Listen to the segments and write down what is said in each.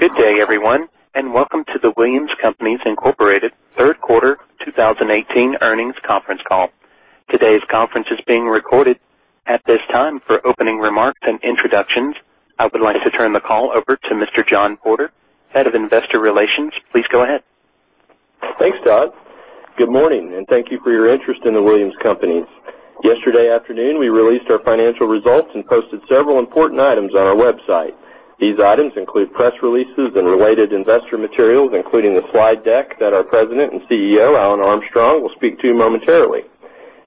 Good day, everyone, welcome to The Williams Companies Incorporated third quarter 2018 earnings conference call. Today's conference is being recorded. At this time, for opening remarks and introductions, I would like to turn the call over to Mr. John Porter, head of investor relations. Please go ahead. Thanks, Todd. Good morning, thank you for your interest in The Williams Companies. Yesterday afternoon, we released our financial results and posted several important items on our website. These items include press releases and related investor materials, including the slide deck that our President and CEO, Alan Armstrong, will speak to momentarily.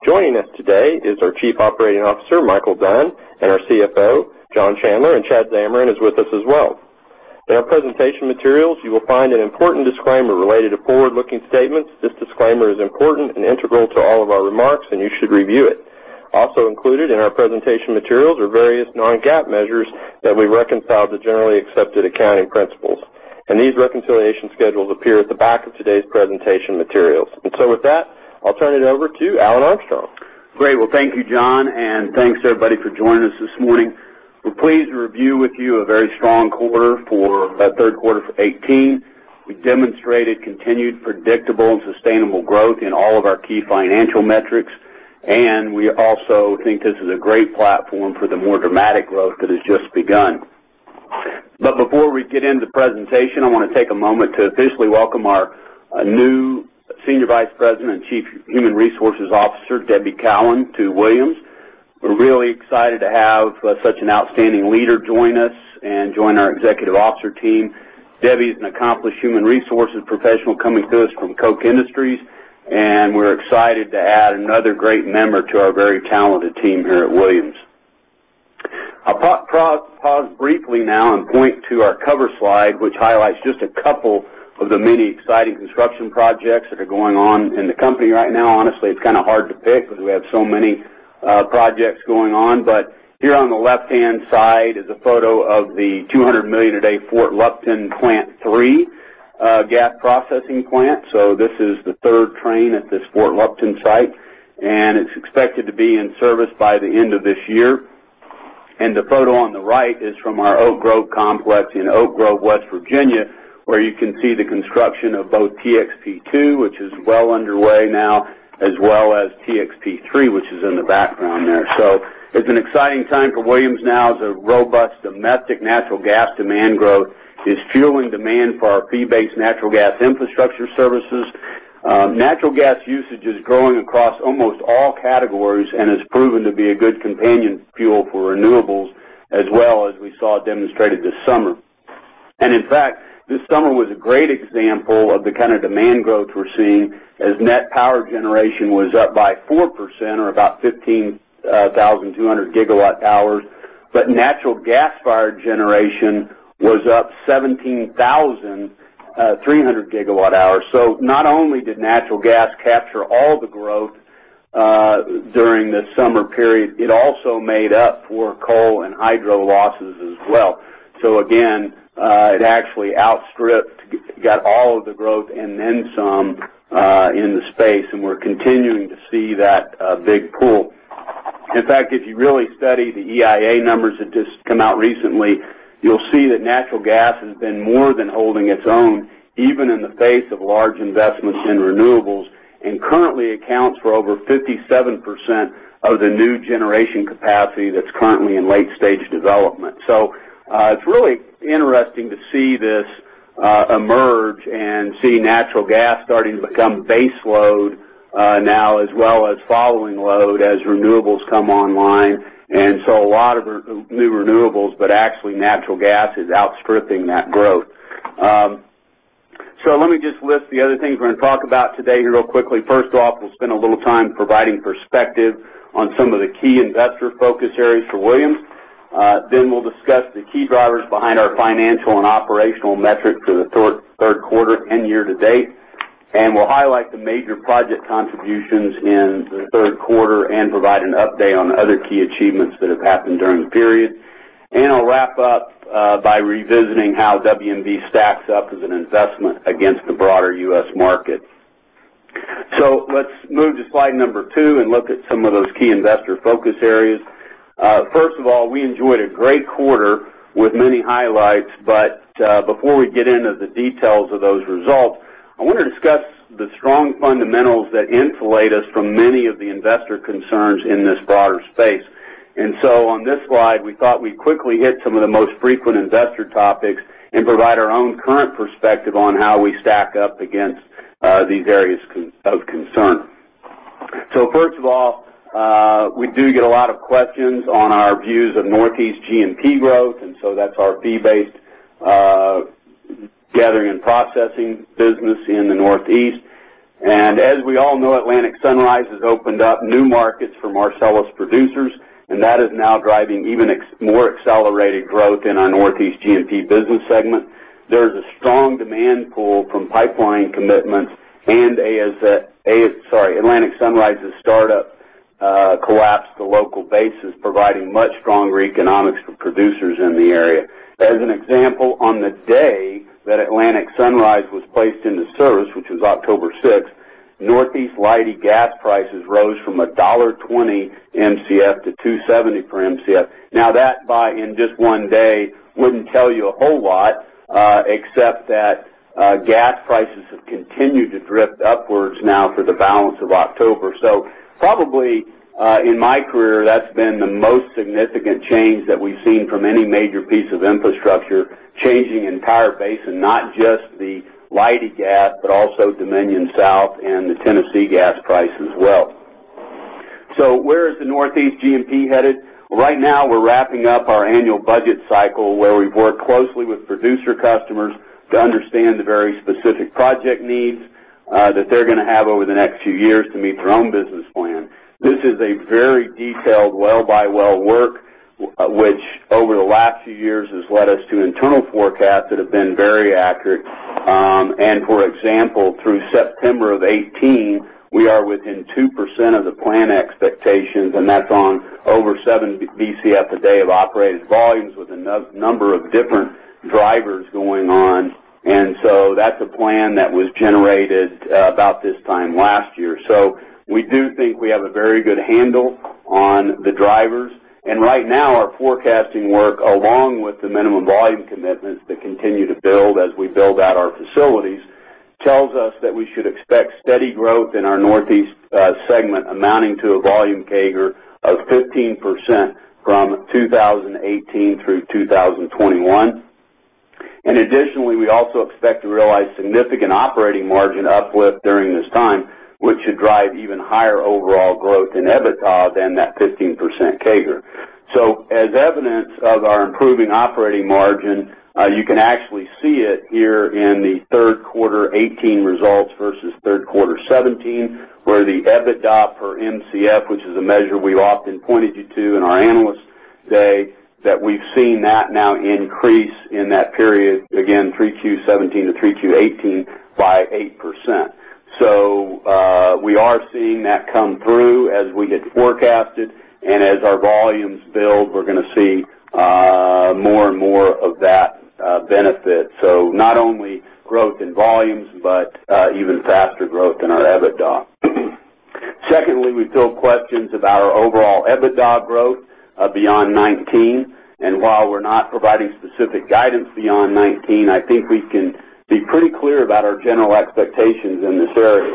Joining us today is our Chief Operating Officer, Micheal Dunn, our CFO, John Chandler, Chad Zamarin is with us as well. In our presentation materials, you will find an important disclaimer related to forward-looking statements. This disclaimer is important and integral to all of our remarks, and you should review it. Also included in our presentation materials are various non-GAAP measures that we reconcile to generally accepted accounting principles, these reconciliation schedules appear at the back of today's presentation materials. With that, I'll turn it over to Alan Armstrong. Great. Thank you, John, thanks, everybody, for joining us this morning. We're pleased to review with you a very strong quarter for third quarter for 2018. We demonstrated continued predictable and sustainable growth in all of our key financial metrics, we also think this is a great platform for the more dramatic growth that has just begun. Before we get into presentation, I want to take a moment to officially welcome our new Senior Vice President and Chief Human Resources Officer, Debbie Cowan, to Williams. We're really excited to have such an outstanding leader join us and join our executive officer team. Debbie is an accomplished human resources professional coming to us from Koch Industries, we're excited to add another great member to our very talented team here at Williams. I'll pause briefly now point to our cover slide, which highlights just a couple of the many exciting construction projects that are going on in the company right now. Honestly, it's kind of hard to pick because we have so many projects going on, here on the left-hand side is a photo of the $200 million a day Fort Lupton Plant three gas processing plant. This is the third train at this Fort Lupton site, it's expected to be in service by the end of this year. The photo on the right is from our Oak Grove complex in Oak Grove, West Virginia, where you can see the construction of both TXP two, which is well underway now, as well as TXP three, which is in the background there. It's an exciting time for Williams now as a robust domestic natural gas demand growth is fueling demand for our fee-based natural gas infrastructure services. Natural gas usage is growing across almost all categories and has proven to be a good companion fuel for renewables as well as we saw demonstrated this summer. In fact, this summer was a great example of the kind of demand growth we're seeing as net power generation was up by 4% or about 15,200 gigawatt hours. Natural gas-fired generation was up 17,300 gigawatt hours. Not only did natural gas capture all the growth during the summer period, it also made up for coal and hydro losses as well. Again, it actually outstripped, got all of the growth and then some, in the space, and we're continuing to see that big pull. In fact, if you really study the EIA numbers that just come out recently, you'll see that natural gas has been more than holding its own, even in the face of large investments in renewables, and currently accounts for over 57% of the new generation capacity that's currently in late-stage development. It's really interesting to see this emerge and see natural gas starting to become base load now, as well as following load as renewables come online. A lot of new renewables, but actually natural gas is outstripping that growth. Let me just list the other things we're going to talk about today here real quickly. First off, we'll spend a little time providing perspective on some of the key investor focus areas for Williams. We'll discuss the key drivers behind our financial and operational metrics for the third quarter and year to date. We'll highlight the major project contributions in the third quarter and provide an update on other key achievements that have happened during the period. I'll wrap up by revisiting how WMB stacks up as an investment against the broader U.S. market. Let's move to slide number two and look at some of those key investor focus areas. First of all, we enjoyed a great quarter with many highlights, but before we get into the details of those results, I want to discuss the strong fundamentals that insulate us from many of the investor concerns in this broader space. On this slide, we thought we'd quickly hit some of the most frequent investor topics and provide our own current perspective on how we stack up against these areas of concern. First of all, we do get a lot of questions on our views of Northeast G&P growth, and so that's our fee-based gathering and processing business in the Northeast. As we all know, Atlantic Sunrise has opened up new markets for Marcellus producers, and that is now driving even more accelerated growth in our Northeast G&P business segment. There is a strong demand pull from pipeline commitments and Atlantic Sunrise's startup collapsed the local bases, providing much stronger economics for producers in the area. As an example, on the day that Atlantic Sunrise was placed into service, which was October 6th, Northeast Leidy gas prices rose from $1.20 MCF to $2.70 per MCF. That by in just one day wouldn't tell you a whole lot, except that gas prices have continued to drift upwards now for the balance of October. Probably, in my career, that's been the most significant change that we've seen from any major piece of infrastructure changing entire basin, not just the Leidy gas, but also Dominion South and the Tennessee gas price as well. Where is the Northeast G&P headed? Right now we're wrapping up our annual budget cycle where we've worked closely with producer customers to understand the very specific project needs that they're going to have over the next few years to meet their own business plan. This is a very detailed well-by-well work, which over the last few years has led us to internal forecasts that have been very accurate. For example, through September of 2018, we are within 2% of the plan expectations, and that's on over 7 Bcf a day of operated volumes with a number of different drivers going on. That's a plan that was generated about this time last year. We do think we have a very good handle on the drivers. Right now, our forecasting work, along with the minimum volume commitments that continue to build as we build out our facilities, tells us that we should expect steady growth in our Northeast segment amounting to a volume CAGR of 15% from 2018 through 2021. Additionally, we also expect to realize significant operating margin uplift during this time, which should drive even higher overall growth in EBITDA than that 15% CAGR. As evidence of our improving operating margin, you can actually see it here in the third quarter 2018 results versus third quarter 2017, where the EBITDA per MCF, which is a measure we've often pointed you to in our Analyst Day, that we've seen that now increase in that period, again, 3Q 2017 to 3Q 2018 by 8%. We are seeing that come through as we had forecasted. As our volumes build, we're going to see more and more of that benefit. Not only growth in volumes, but even faster growth in our EBITDA. Secondly, we field questions about our overall EBITDA growth beyond 2019. While we're not providing specific guidance beyond 2019, I think we can be pretty clear about our general expectations in this area.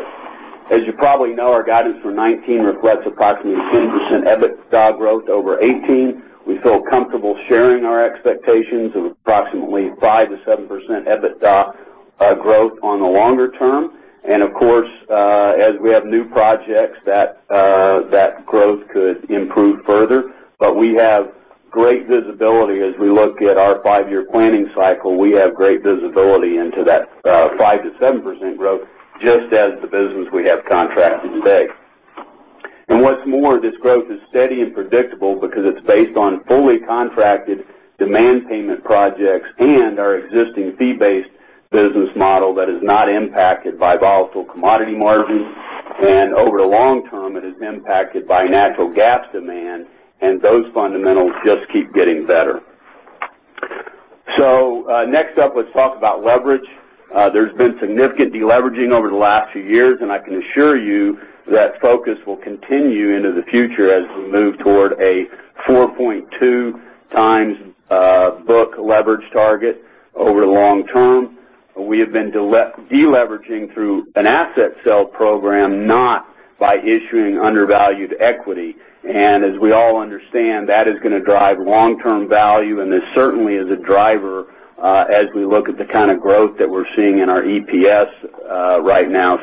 As you probably know, our guidance for 2019 reflects approximately 10% EBITDA growth over 2018. We feel comfortable sharing our expectations of approximately 5%-7% EBITDA growth on the longer term. Of course, as we have new projects, that growth could improve further. We have great visibility. As we look at our five-year planning cycle, we have great visibility into that 5%-7% growth just as the business we have contracted today. What's more, this growth is steady and predictable because it's based on fully contracted demand payment projects and our existing fee-based business model that is not impacted by volatile commodity margins. Over the long term, it is impacted by natural gas demand, and those fundamentals just keep getting better. Next up, let's talk about leverage. There has been significant deleveraging over the last few years, and I can assure you that focus will continue into the future as we move toward a 4.2x book leverage target over the long term. We have been deleveraging through an asset sale program, not by issuing undervalued equity. As we all understand, that is going to drive long-term value, and this certainly is a driver as we look at the kind of growth that we are seeing in our EPS right now.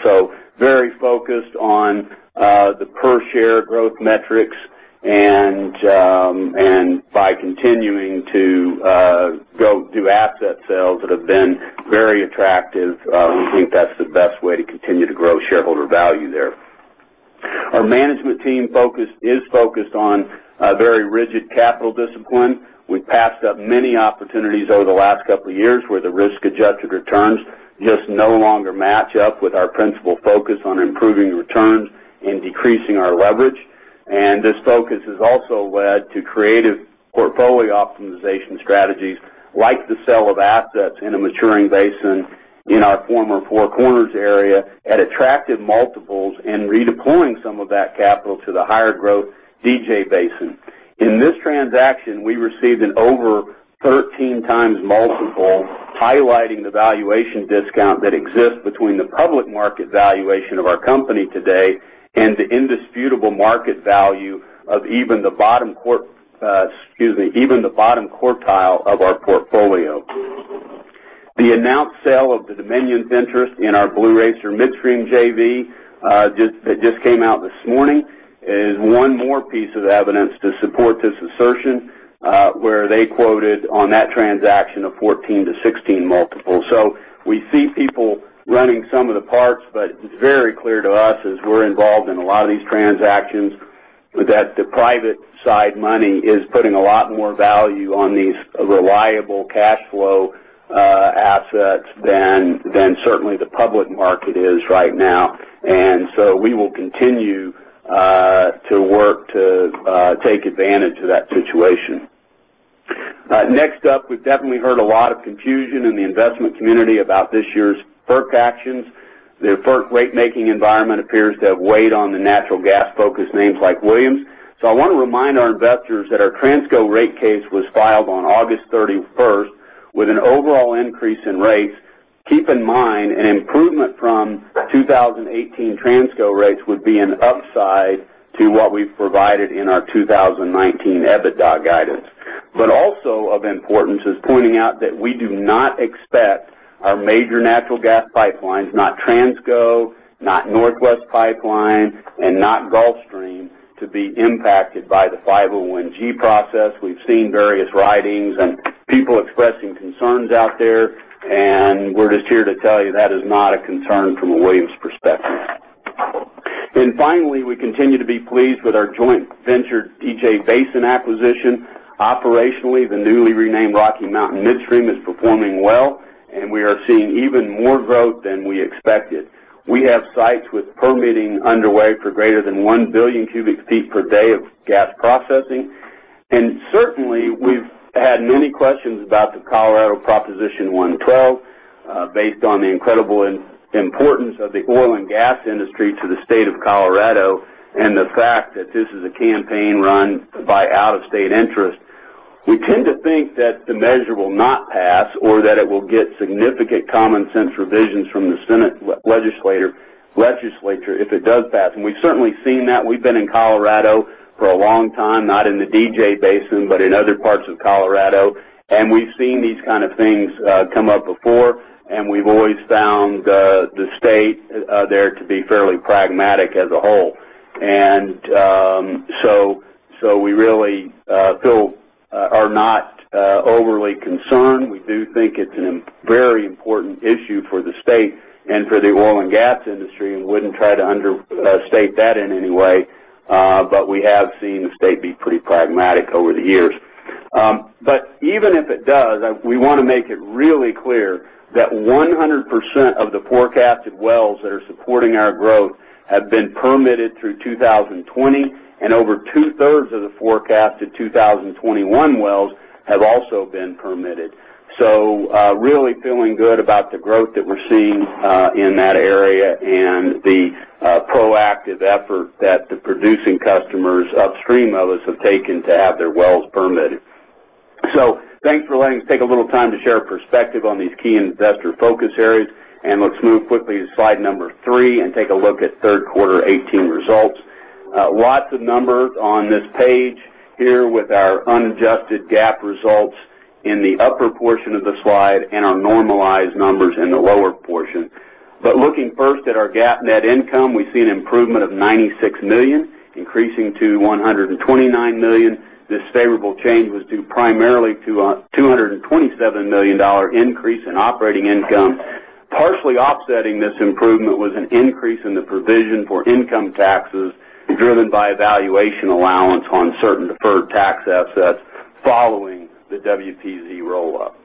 Very focused on the per-share growth metrics and by continuing to go do asset sales that have been very attractive. We think that is the best way to continue to grow shareholder value there. Our management team is focused on very rigid capital discipline. We have passed up many opportunities over the last couple of years where the risk-adjusted returns just no longer match up with our principal focus on improving returns and decreasing our leverage. This focus has also led to creative portfolio optimization strategies, like the sale of assets in a maturing basin in our former Four Corners area at attractive multiples and redeploying some of that capital to the higher growth DJ Basin. In this transaction, we received an over 13x multiple, highlighting the valuation discount that exists between the public market valuation of our company today and the indisputable market value of even the bottom quartile of our portfolio. The announced sale of Dominion's interest in our Blue Racer Midstream JV, that just came out this morning, is one more piece of evidence to support this assertion, where they quoted on that transaction a 14x-16x multiple. We see people running some of the parts, but it is very clear to us as we are involved in a lot of these transactions, that the private side money is putting a lot more value on these reliable cash flow assets than certainly the public market is right now. We will continue to work to take advantage of that situation. We have definitely heard a lot of confusion in the investment community about this year's FERC actions. The FERC rate-making environment appears to have weighed on the natural gas-focused names like Williams. I want to remind our investors that our Transco rate case was filed on August 31st with an overall increase in rates. Keep in mind, an improvement from 2018 Transco rates would be an upside to what we have provided in our 2019 EBITDA guidance. Also of importance is pointing out that we do not expect our major natural gas pipelines, not Transco, not Northwest Pipeline, and not Gulfstream, to be impacted by the 501-G process. We have seen various writings and people expressing concerns out there, and we are just here to tell you that is not a concern from a Williams perspective. Finally, we continue to be pleased with our joint venture DJ Basin acquisition. Operationally, the newly renamed Rocky Mountain Midstream is performing well, and we are seeing even more growth than we expected. We have sites with permitting underway for greater than 1 billion cubic feet per day of gas processing. Certainly, we have had many questions about the Colorado Proposition 112. Based on the incredible importance of the oil and gas industry to the state of Colorado and the fact that this is a campaign run by out-of-state interest, we tend to think that the measure will not pass or that it will get significant common sense revisions from the Senate legislature if it does pass. We've certainly seen that. We've been in Colorado for a long time, not in the DJ Basin, but in other parts of Colorado, we've seen these kind of things come up before, we've always found the state there to be fairly pragmatic as a whole. We really are not overly concerned. We do think it's a very important issue for the state and for the oil and gas industry, wouldn't try to understate that in any way. We have seen the state be pretty pragmatic over the years. Even if it does, we want to make it really clear that 100% of the forecasted wells that are supporting our growth have been permitted through 2020 and over two-thirds of the forecasted 2021 wells have also been permitted. Really feeling good about the growth that we're seeing in that area and the proactive effort that the producing customers upstream of us have taken to have their wells permitted. Thanks for letting us take a little time to share a perspective on these key investor focus areas. Let's move quickly to slide three and take a look at third quarter 2018 results. Lots of numbers on this page here with our unadjusted GAAP results in the upper portion of the slide and our normalized numbers in the lower portion. Looking first at our GAAP net income, we see an improvement of $96 million, increasing to $129 million. This favorable change was due primarily to a $227 million increase in operating income. Partially offsetting this improvement was an increase in the provision for income taxes driven by a valuation allowance on certain deferred tax assets following the WPZ roll-up.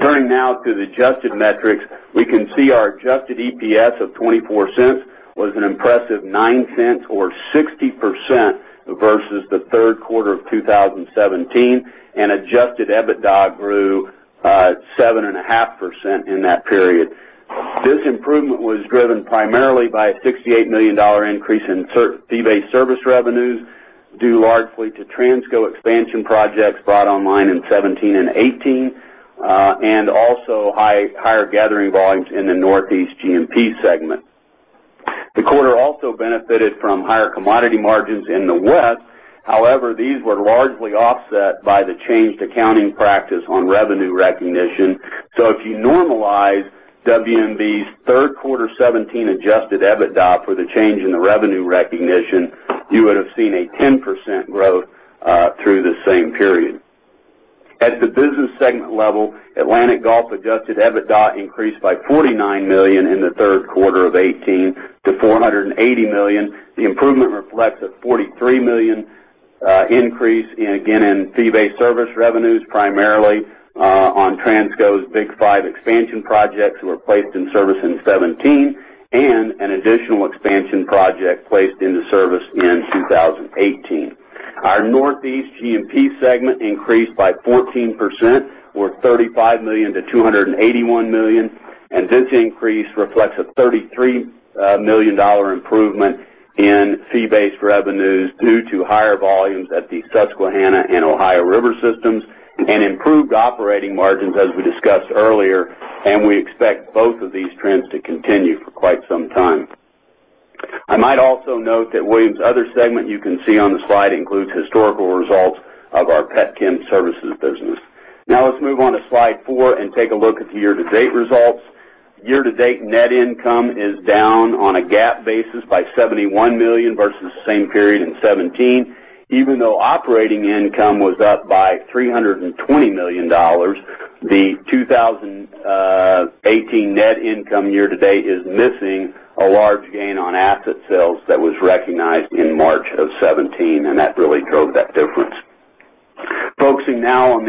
Turning now to the adjusted metrics, we can see our adjusted EPS of $0.24 was an impressive $0.09 or 60% versus the third quarter 2017, adjusted EBITDA grew 7.5% in that period. This improvement was driven primarily by a $68 million increase in fee-based service revenues, due largely to Transco expansion projects brought online in 2017 and 2018, also higher gathering volumes in the Northeast G&P segment. The quarter also benefited from higher commodity margins in the West. These were largely offset by the changed accounting practice on revenue recognition. If you normalize WMB's third quarter 2017 adjusted EBITDA for the change in the revenue recognition, you would have seen a 10% growth through the same period. At the business segment level, Atlantic-Gulf adjusted EBITDA increased by $49 million in the third quarter 2018 to $480 million. The improvement reflects a $43 million increase, again, in fee-based service revenues, primarily on Transco's big five expansion projects that were placed in service in 2017 and an additional expansion project placed into service in 2018. Our Northeast G&P segment increased by 14%, or $35 million to $281 million. This increase reflects a $33 million improvement in fee-based revenues due to higher volumes at the Susquehanna and Ohio River systems and improved operating margins, as we discussed earlier. We expect both of these trends to continue for quite some time. I might also note that Williams' other segment you can see on the slide includes historical results of our Petchem services business. Let's move on to slide four and take a look at the year-to-date results. Year-to-date net income is down on a GAAP basis by $71 million versus the same period in 2017. Even though operating income was up by $320 million, the 2018 net income year to date is missing a large gain on asset sales that was recognized in March of 2017. That really drove that difference. Focusing now on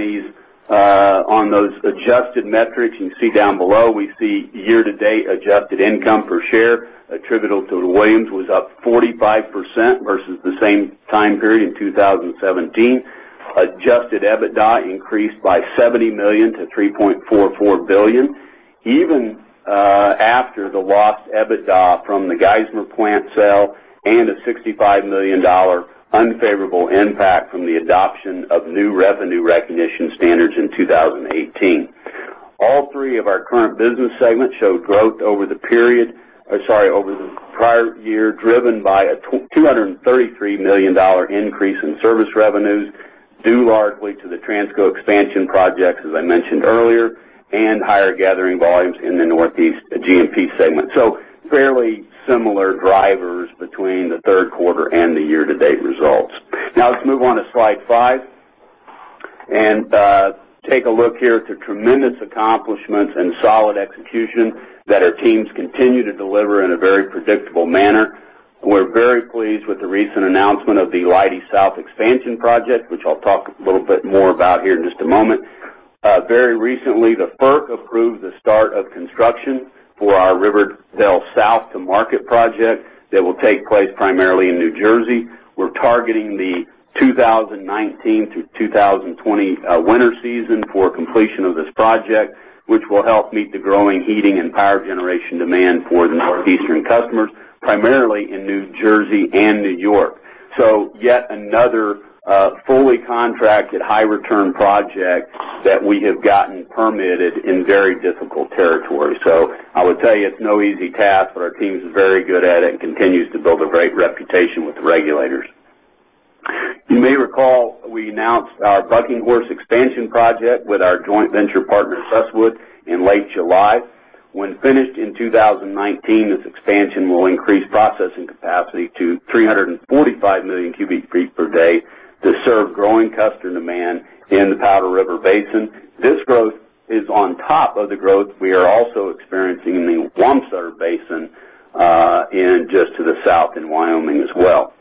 those adjusted metrics you see down below, we see year-to-date adjusted income per share attributable to Williams was up 45% versus the same time period in 2017. Adjusted EBITDA increased by $70 million to $3.44 billion, even after the lost EBITDA from the Geismar plant sale and a $65 million unfavorable impact from the adoption of new revenue recognition standards in 2018. All three of our current business segments showed growth over the prior year, driven by a $233 million increase in service revenues due largely to the Transco expansion projects, as I mentioned earlier, and higher gathering volumes in the Northeast G&P segment. Fairly similar drivers between the third quarter and the year-to-date results. Let's move on to slide five and take a look here at the tremendous accomplishments and solid execution that our teams continue to deliver in a very predictable manner. We're very pleased with the recent announcement of the Leidy South expansion project, which I'll talk a little bit more about here in just a moment. Very recently, the FERC approved the start of construction for our Rivervale South to Market project that will take place primarily in New Jersey. We're targeting the 2019 to 2020 winter season for completion of this project, which will help meet the growing heating and power generation demand for the Northeastern customers, primarily in New Jersey and New York. Yet another fully contracted high return project that we have gotten permitted in very difficult territory. I would tell you it's no easy task, but our team's very good at it and continues to build a great reputation with the regulators. You may recall we announced our Bucking Horse expansion project with our joint venture partner, Crestwood, in late July. When finished in 2019, this expansion will increase processing capacity to 345 million cubic feet per day to serve growing customer demand in the Powder River Basin. This growth is on top of the growth we are also experiencing in the Wamsutter Basin in just to the south in Wyoming as well.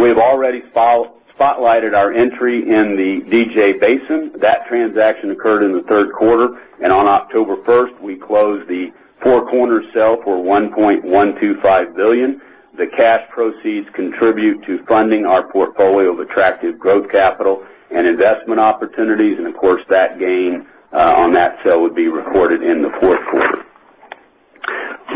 We've already spotlighted our entry in the DJ Basin. That transaction occurred in the third quarter. On October 1st, we closed the Four Corners sale for $1.125 billion. The cash proceeds contribute to funding our portfolio of attractive growth capital and investment opportunities. Of course, that gain on that sale would be recorded in the fourth quarter.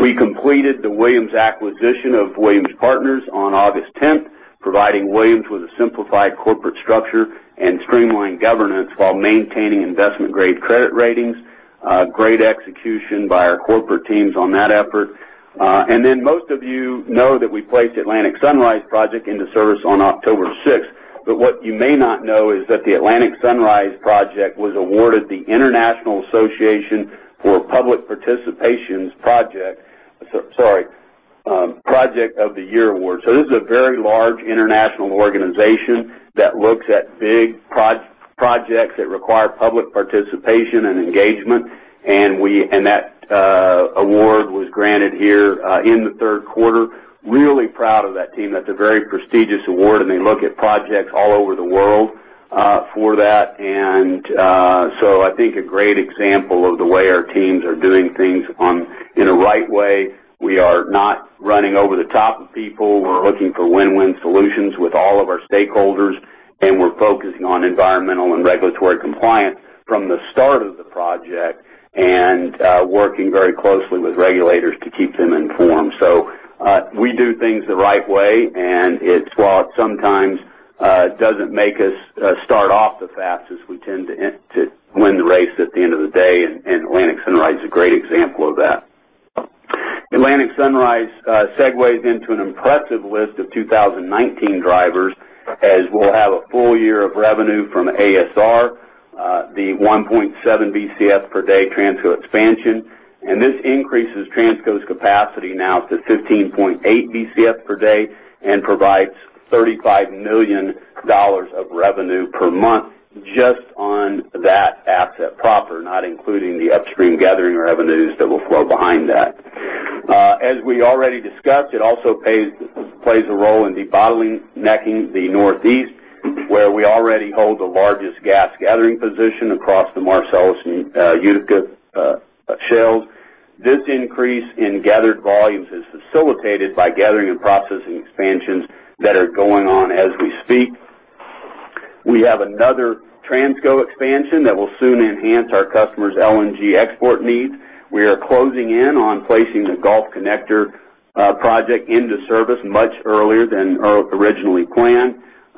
We completed the Williams acquisition of Williams Partners on August 10th, providing Williams with a simplified corporate structure and streamlined governance while maintaining investment-grade credit ratings. Great execution by our corporate teams on that effort. Most of you know that we placed Atlantic Sunrise project into service on October 6th. What you may not know is that the Atlantic Sunrise project was awarded the International Association for Public Participation's Project of the Year award. This is a very large international organization that looks at big projects that require public participation and engagement. That award was granted here in the third quarter. Really proud of that team. That's a very prestigious award, and they look at projects all over the world for that. I think a great example of the way our teams are doing things in a right way. We are not running over the top of people. We're looking for win-win solutions with all of our stakeholders, and we're focusing on environmental and regulatory compliance from the start of the project and working very closely with regulators to keep them informed. We do things the right way, and while sometimes it doesn't make us start off the fastest, we tend to win the race at the end of the day, and Atlantic Sunrise is a great example of that. Atlantic Sunrise segues into an impressive list of 2019 drivers, as we'll have a full year of revenue from ASR, the 1.7 BCF per day Transco expansion, and this increases Transco's capacity now to 15.8 BCF per day and provides $35 million of revenue per month just on that asset proper, not including the upstream gathering or revenues that will flow behind that. As we already discussed, it also plays a role in de-bottlenecking the Northeast, where we already hold the largest gas gathering position across the Marcellus and Utica shales. This increase in gathered volumes is facilitated by gathering and processing expansions that are going on as we speak. We have another Transco expansion that will soon enhance our customers' LNG export needs. We are closing in on placing the Gulf Connector project into service much earlier than originally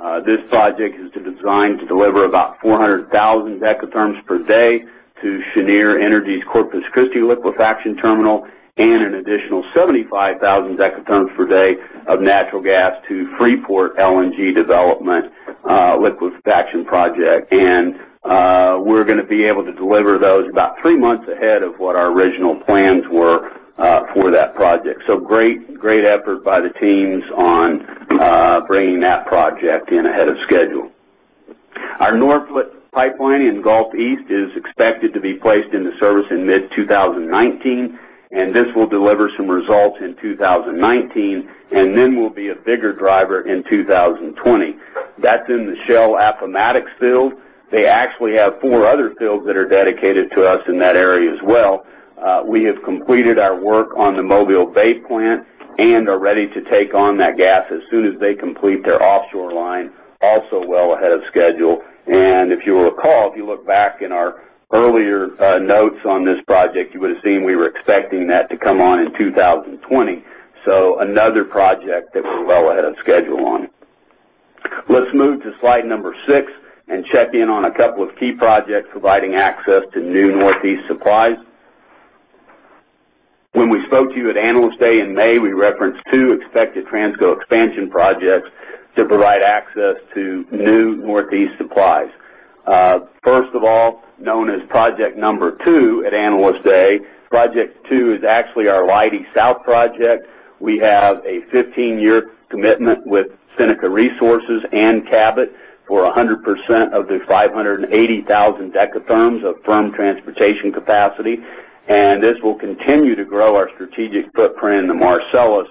planned. This project is designed to deliver about 400,000 decatherms per day to Cheniere Energy's Corpus Christi liquefaction terminal and an additional 75,000 decatherms per day of natural gas to Freeport LNG development liquefaction project. We're going to be able to deliver those about three months ahead of what our original plans were for that project. Great effort by the teams on bringing that project in ahead of schedule. Our Norphlet pipeline in Gulf East is expected to be placed into service in mid-2019. This will deliver some results in 2019, will be a bigger driver in 2020. That's in the Shell Appomattox field. They actually have four other fields that are dedicated to us in that area as well. We have completed our work on the Mobile Bay plant and are ready to take on that gas as soon as they complete their offshore line, also well ahead of schedule. If you'll recall, if you look back in our earlier notes on this project, you would've seen we were expecting that to come on in 2020. Another project that we're well ahead of schedule on. Let's move to slide number six and check in on a couple of key projects providing access to new Northeast supplies. When we spoke to you at Analyst Day in May, we referenced two expected Transco expansion projects to provide access to new Northeast supplies. First of all, known as project number two at Analyst Day, project two is actually our Leidy South project. We have a 15-year commitment with Seneca Resources and Cabot for 100% of the 580,000 decatherms of firm transportation capacity. This will continue to grow our strategic footprint in the Marcellus,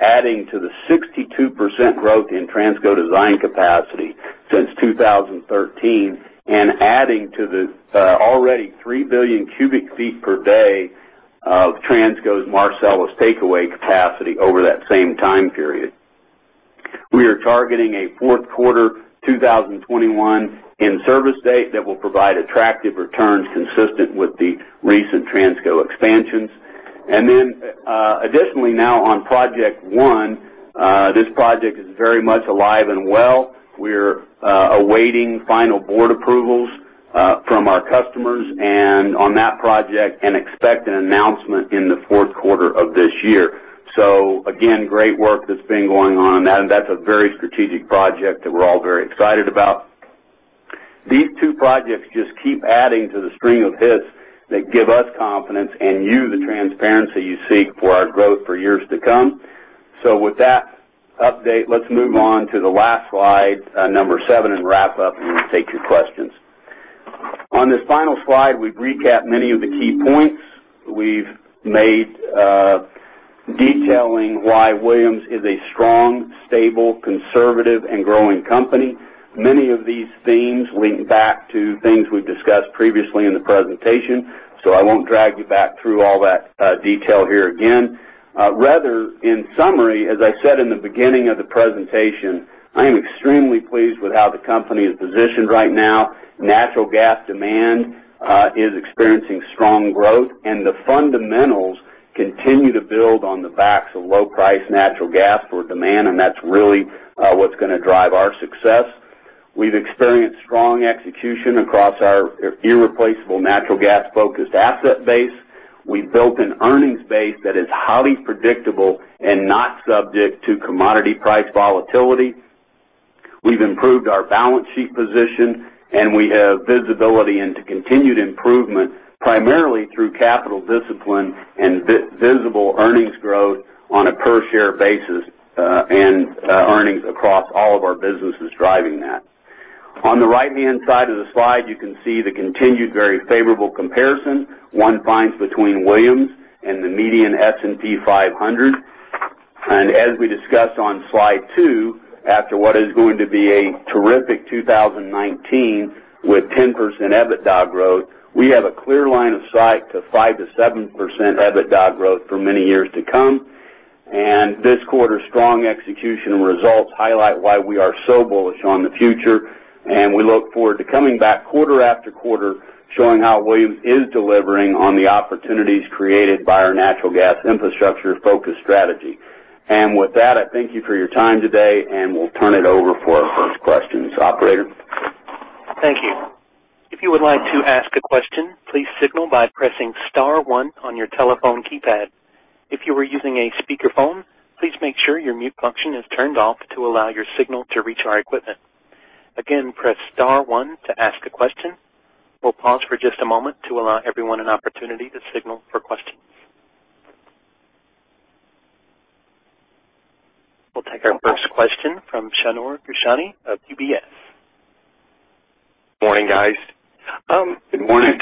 adding to the 62% growth in Transco design capacity since 2013, adding to the already 3 billion cubic feet per day of Transco's Marcellus takeaway capacity over that same time period. We are targeting a fourth quarter 2021 in-service date that will provide attractive returns consistent with the recent Transco expansions. Additionally now on project one, this project is very much alive and well. We're awaiting final board approvals from our customers on that project and expect an announcement in the fourth quarter of this year. Again, great work that's been going on, that's a very strategic project that we're all very excited about. These two projects just keep adding to the string of hits that give us confidence and you the transparency you seek for our growth for years to come. With that update, let's move on to the last slide, number seven, and wrap up and take your questions. On this final slide, we've recapped many of the key points we've made, detailing why Williams is a strong, stable, conservative, and growing company. Many of these themes link back to things we've discussed previously in the presentation, I won't drag you back through all that detail here again. Rather, in summary, as I said in the beginning of the presentation, I am extremely pleased with how the company is positioned right now. Natural gas demand is experiencing strong growth, the fundamentals continue to build on the backs of low-price natural gas for demand, that's really what's going to drive our success. We've experienced strong execution across our irreplaceable natural gas-focused asset base. We've built an earnings base that is highly predictable and not subject to commodity price volatility. We've improved our balance sheet position, we have visibility into continued improvement, primarily through capital discipline and visible earnings growth on a per-share basis, earnings across all of our businesses driving that. On the right-hand side of the slide, you can see the continued very favorable comparison one finds between Williams and the median S&P 500. As we discussed on slide two, after what is going to be a terrific 2019 with 10% EBITDA growth, we have a clear line of sight to 5%-7% EBITDA growth for many years to come. This quarter's strong execution results highlight why we are so bullish on the future, we look forward to coming back quarter after quarter, showing how Williams is delivering on the opportunities created by our natural gas infrastructure-focused strategy. With that, I thank you for your time today, we'll turn it over for our first questions. Operator? Thank you. If you would like to ask a question, please signal by pressing star one on your telephone keypad. If you are using a speakerphone, please make sure your mute function is turned off to allow your signal to reach our equipment. Again, press star one to ask a question. We'll pause for just a moment to allow everyone an opportunity to signal for questions. We'll take our first question from Shneur Gershuni of UBS. Morning, guys. Good morning.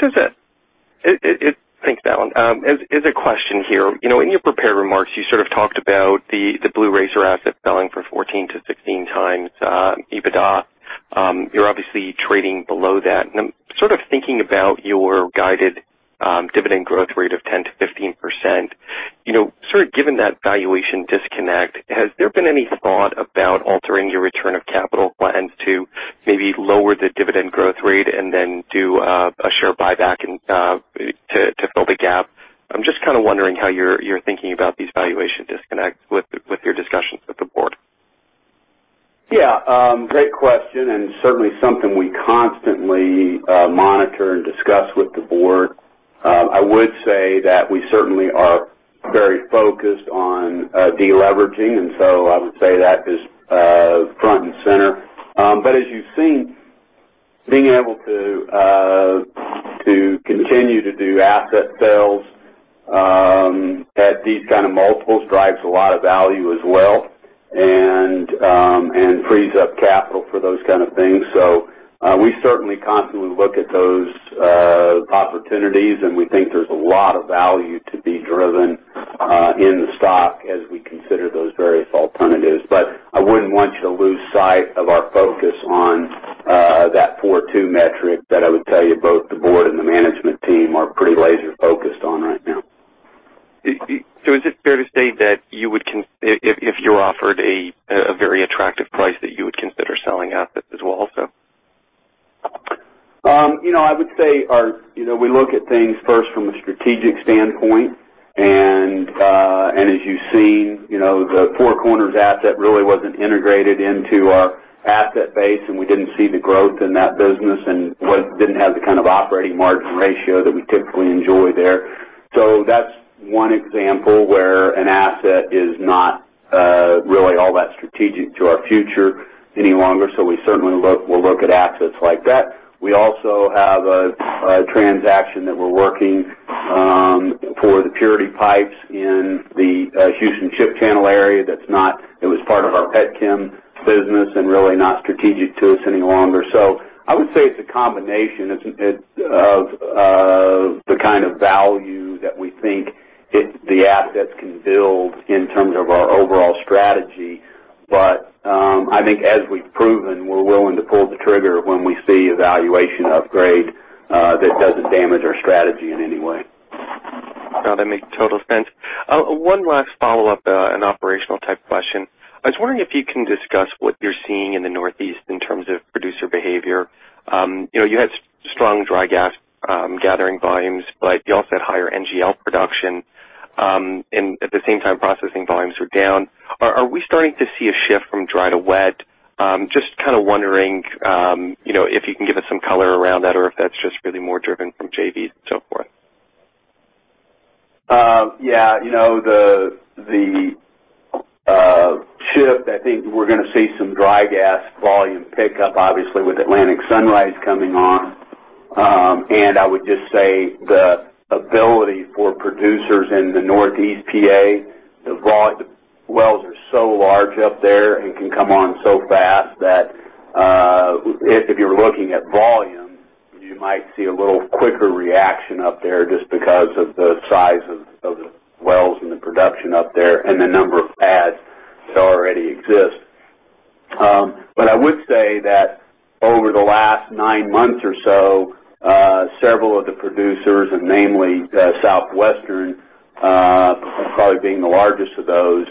Thanks, Alan. As a question here, in your prepared remarks, you sort of talked about the Blue Racer asset selling for 14-16 times EBITDA. You're obviously trading below that. I'm sort of thinking about your guided dividend growth rate of 10%-15%. Sort of given that valuation disconnect, has there been any thought about altering your return of capital plans to maybe lower the dividend growth rate and then do a share buyback to fill the gap? I'm just kind of wondering how you're thinking about these valuation disconnects with your discussions with the board. Yeah. Great question. Certainly something we constantly monitor and discuss with the board. I would say that we certainly are very focused on de-leveraging. I would say that is front and center. As you've seen, being able to continue to do asset sales at these kind of multiples drives a lot of value as well. Frees up capital for those kind of things. We certainly constantly look at those opportunities, and we think there's a lot of value to be driven in the stock as we consider those various alternatives. I wouldn't want you to lose sight of our focus on that 4.2 metric that I would tell you both the board and the management team are pretty laser-focused on right now. Is it fair to state that if you're offered a very attractive price, that you would consider selling assets as well also? I would say we look at things first from a strategic standpoint, and as you've seen, the Four Corners asset really wasn't integrated into our asset base, and we didn't see the growth in that business and didn't have the kind of operating margin ratio that we typically enjoy there. That's one example where an asset is not really all that strategic to our future any longer. We also have a transaction that we're working for the Purity pipes in the Houston Ship Channel area that was part of our petchem business and really not strategic to us any longer. I would say it's a combination of the kind of value that we think the assets can build in terms of our overall strategy. I think as we've proven, we're willing to pull the trigger when we see a valuation upgrade that doesn't damage our strategy in any way. No, that makes total sense. One last follow-up, an operational type question. I was wondering if you can discuss what you're seeing in the Northeast in terms of producer behavior. You had strong dry gas gathering volumes, but you also had higher NGL production. At the same time, processing volumes were down. Are we starting to see a shift from dry to wet? Just wondering if you can give us some color around that or if that's just really more driven from JVs and so forth. Yeah. The shift, I think we're going to see some dry gas volume pick up, obviously, with Atlantic Sunrise coming on. I would just say the ability for producers in the Northeast PA, the wells are so large up there and can come on so fast that if you're looking at volume, you might see a little quicker reaction up there just because of the size of the wells and the production up there and the number of pads that already exist. I would say that over the last nine months or so, several of the producers, and namely Southwestern probably being the largest of those,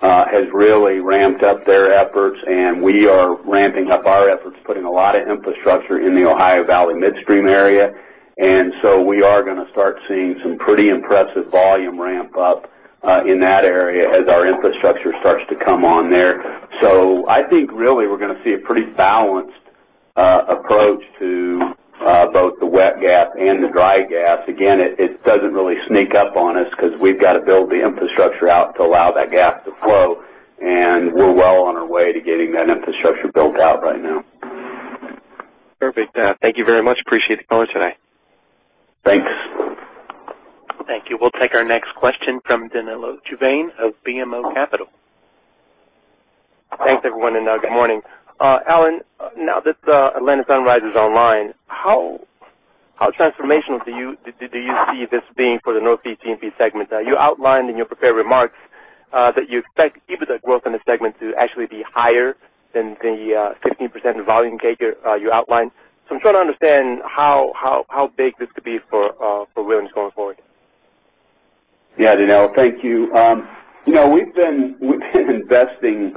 has really ramped up their efforts, and we are ramping up our efforts, putting a lot of infrastructure in the Ohio Valley midstream area. We are going to start seeing some pretty impressive volume ramp up in that area as our infrastructure starts to come on there. I think really we're going to see a pretty balanced approach to both the wet gas and the dry gas. Again, it doesn't really sneak up on us because we've got to build the infrastructure out to allow that gas to flow, and we're well on our way to getting that infrastructure built out right now. Perfect. Thank you very much. Appreciate the color today. Thanks. Thank you. We'll take our next question from Danilo Juvane of BMO Capital. Thanks, everyone, and good morning. Alan, now that Atlantic Sunrise is online, how transformational do you see this being for the Northeast E&P segment? You outlined in your prepared remarks that you expect EBITDA growth in the segment to actually be higher than the 15% volume CAGR you outlined. I'm trying to understand how big this could be for Williams going forward. Yeah, Danilo. Thank you. We've been investing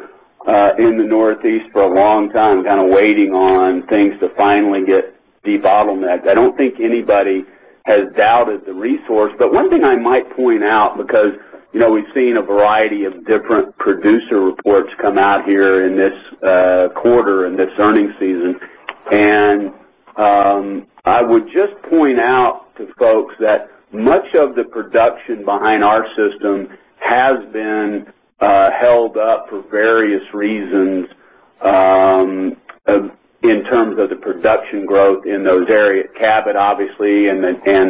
in the Northeast for a long time, waiting on things to finally get debottlenecked. I don't think anybody has doubted the resource. One thing I might point out, because we've seen a variety of different producer reports come out here in this quarter, in this earnings season, I would just point out to folks that much of the production behind our system has been held up for various reasons in terms of the production growth in those areas. Cabot, obviously, and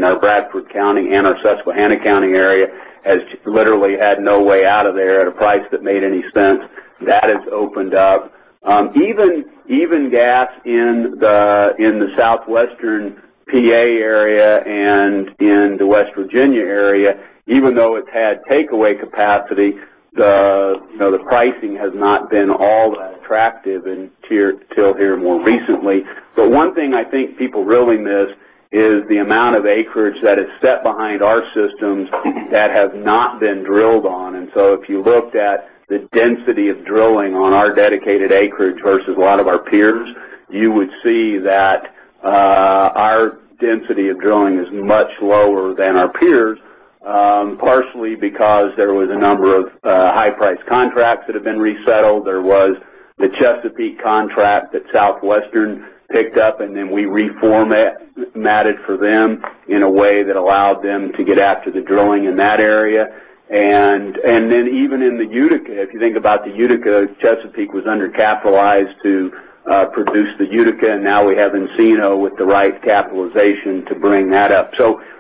our Bradford County and our Susquehanna County area has literally had no way out of there at a price that made any sense. That has opened up. Even gas in the Southwestern P.A. area and in the West Virginia area, even though it's had takeaway capacity, the pricing has not been all that attractive until here more recently. One thing I think people really miss is the amount of acreage that is set behind our systems that have not been drilled on. If you looked at the density of drilling on our dedicated acreage versus a lot of our peers, you would see that our density of drilling is much lower than our peers, partially because there was a number of high-priced contracts that have been resettled. There was the Chesapeake contract that Southwestern picked up, and then we reformatted for them in a way that allowed them to get after the drilling in that area. And then even in the Utica, if you think about the Utica, Chesapeake was undercapitalized to produce the Utica, and now we have Encino with the right capitalization to bring that up.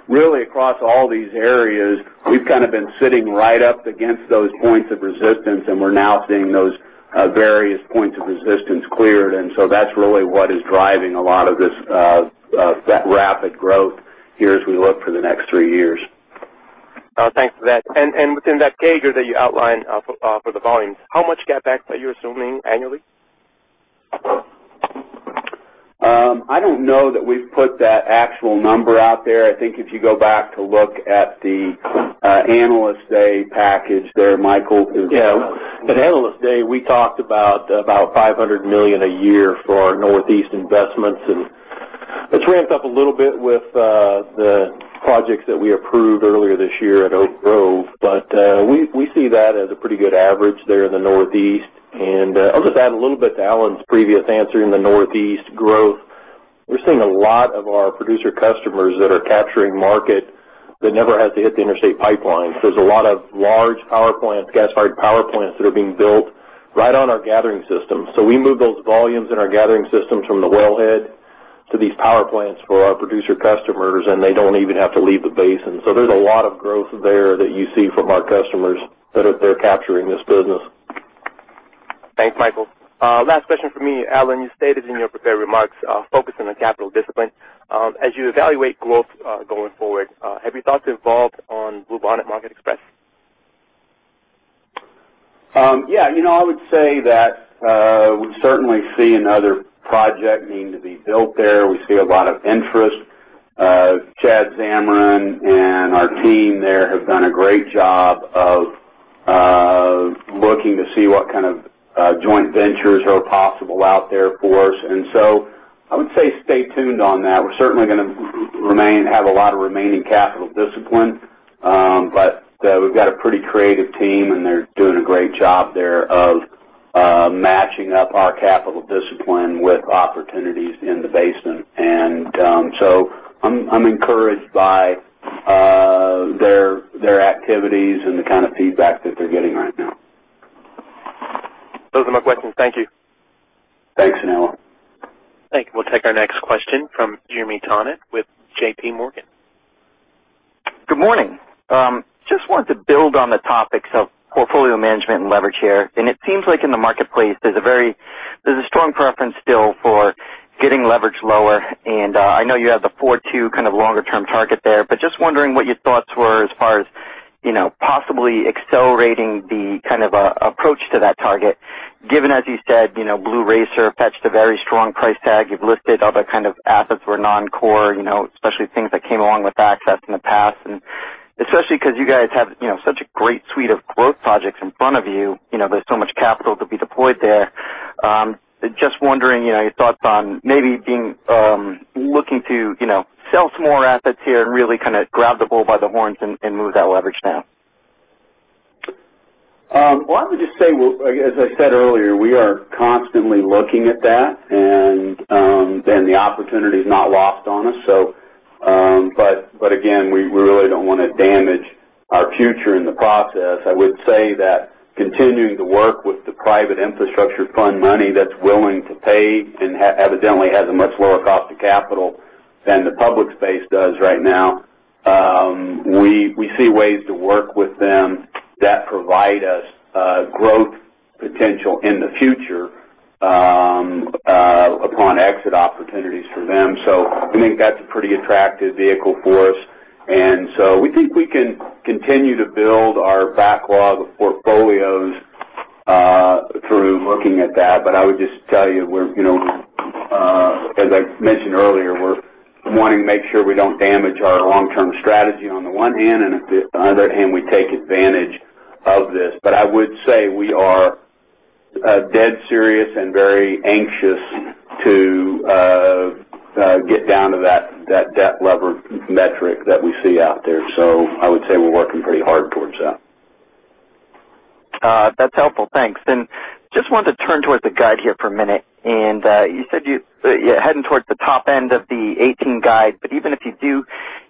Really, across all these areas, we've been sitting right up against those points of resistance, and we're now seeing those various points of resistance cleared. That's really what is driving a lot of that rapid growth here as we look for the next three years. Thanks for that. Within that CAGR that you outlined for the volumes, how much CapEx are you assuming annually? I don't know that we've put that actual number out there. I think if you go back to look at the Analyst Day package there, Micheal is- Yeah. At Analyst Day, we talked about $500 million a year for our Northeast investments, and it's ramped up a little bit with the projects that we approved earlier this year at Oak Grove. We see that as a pretty good average there in the Northeast. I'll just add a little bit to Alan's previous answer. In the Northeast growth, we're seeing a lot of our producer customers that are capturing market that never has to hit the interstate pipelines. There's a lot of large gas-fired power plants that are being built right on our gathering system. We move those volumes in our gathering systems from the wellhead to these power plants for our producer customers, and they don't even have to leave the basin. There's a lot of growth there that you see from our customers that are there capturing this business. Thanks, Micheal. Last question from me. Alan, you stated in your prepared remarks, focusing on capital discipline. As you evaluate growth going forward, have you thought to involve on Bluebonnet Market Express? Yeah. I would say that we certainly see another project needing to be built there. We see a lot of interest. Chad Zamarin and our team there have done a great job of looking to see what kind of joint ventures are possible out there for us. I would say stay tuned on that. We're certainly going to have a lot of remaining capital discipline. We've got a pretty creative team, and they're doing a great job there of matching up our capital discipline with opportunities in the basin. I'm encouraged by their activities and the kind of feedback that they're getting right now. Those are my questions. Thank you. Thanks, Noah. Thank you. We'll take our next question from Jeremy Tonet with J.P. Morgan. Good morning. Just wanted to build on the topics of portfolio management and leverage here. It seems like in the marketplace, there's a strong preference still for getting leverage lower, I know you have the 4.2 longer term target there, just wondering what your thoughts were as far as possibly accelerating the approach to that target, given, as you said, Blue Racer fetched a very strong price tag. You've listed other kind of assets were non-core, especially things that came along with Access in the past, especially because you guys have such a great suite of growth projects in front of you. There's so much capital to be deployed there. Just wondering your thoughts on maybe looking to sell some more assets here and really grab the bull by the horns and move that leverage down. I would just say, as I said earlier, we are constantly looking at that, the opportunity's not lost on us. Again, we really don't want to damage our future in the process. I would say that continuing to work with the private infrastructure fund money that's willing to pay and evidently has a much lower cost of capital than the public space does right now. We see ways to work with them that provide us growth potential in the future upon exit opportunities for them. We think that's a pretty attractive vehicle for us. We think we can continue to build our backlog of portfolios through looking at that. I would just tell you, as I mentioned earlier, we're wanting to make sure we don't damage our long-term strategy on the one hand, and on the other hand, we take advantage of this. I would say we are dead serious and very anxious to get down to that debt lever metric that we see out there. I would say we're working pretty hard towards that. That's helpful. Thanks. Just wanted to turn towards the guide here for a minute. You said you're heading towards the top end of the 2018 guide, even if you do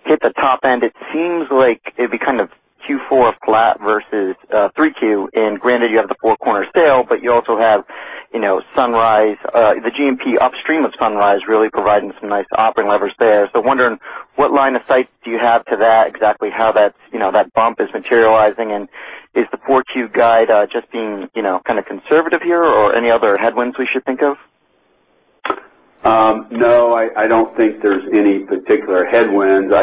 hit the top end, it seems like it'd be Q4 flat versus 3Q. Granted, you have the Four Corners sale, you also have the G&P upstream of Sunrise really providing some nice operating leverage there. Wondering what line of sight do you have to that, exactly how that bump is materializing, and is the 4Q guide just being conservative here, or any other headwinds we should think of? No, I don't think there's any particular headwinds.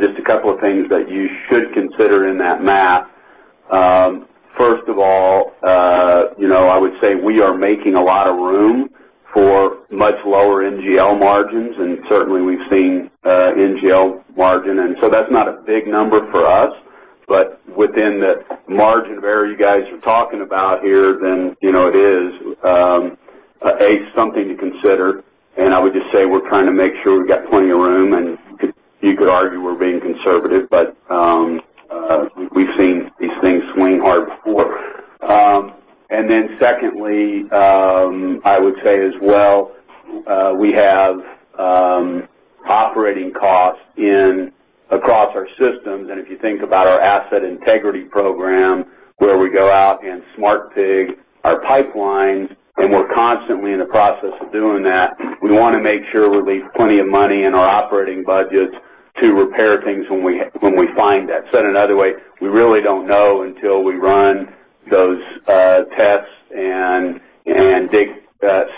Just a couple of things that you should consider in that math. First of all, I would say we are making a lot of room for much lower NGL margins, certainly we've seen NGL margin. That's not a big number for us, but within the margin of error you guys are talking about here, then it is something to consider. I would just say we're trying to make sure we've got plenty of room, you could argue we're being conservative, we've seen these things swing hard before. Secondly, I would say as well, we have operating costs across our systems, if you think about our asset integrity program, where we go out and smart pig our pipelines, we're constantly in the process of doing that. We want to make sure we leave plenty of money in our operating budgets to repair things when we find that. Said another way, we really don't know until we run those tests and dig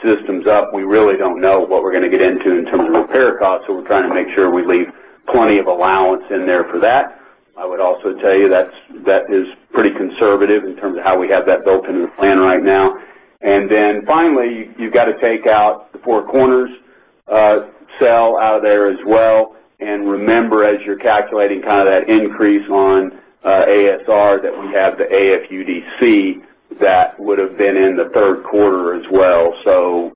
systems up. We really don't know what we're going to get into in terms of repair costs, we're trying to make sure we leave plenty of allowance in there for that. I would also tell you that is pretty conservative in terms of how we have that built into the plan right now. Finally, you've got to take out the Four Corners sale out of there as well. Remember, as you're calculating that increase on ASR, that we have the AFUDC that would've been in the third quarter as well.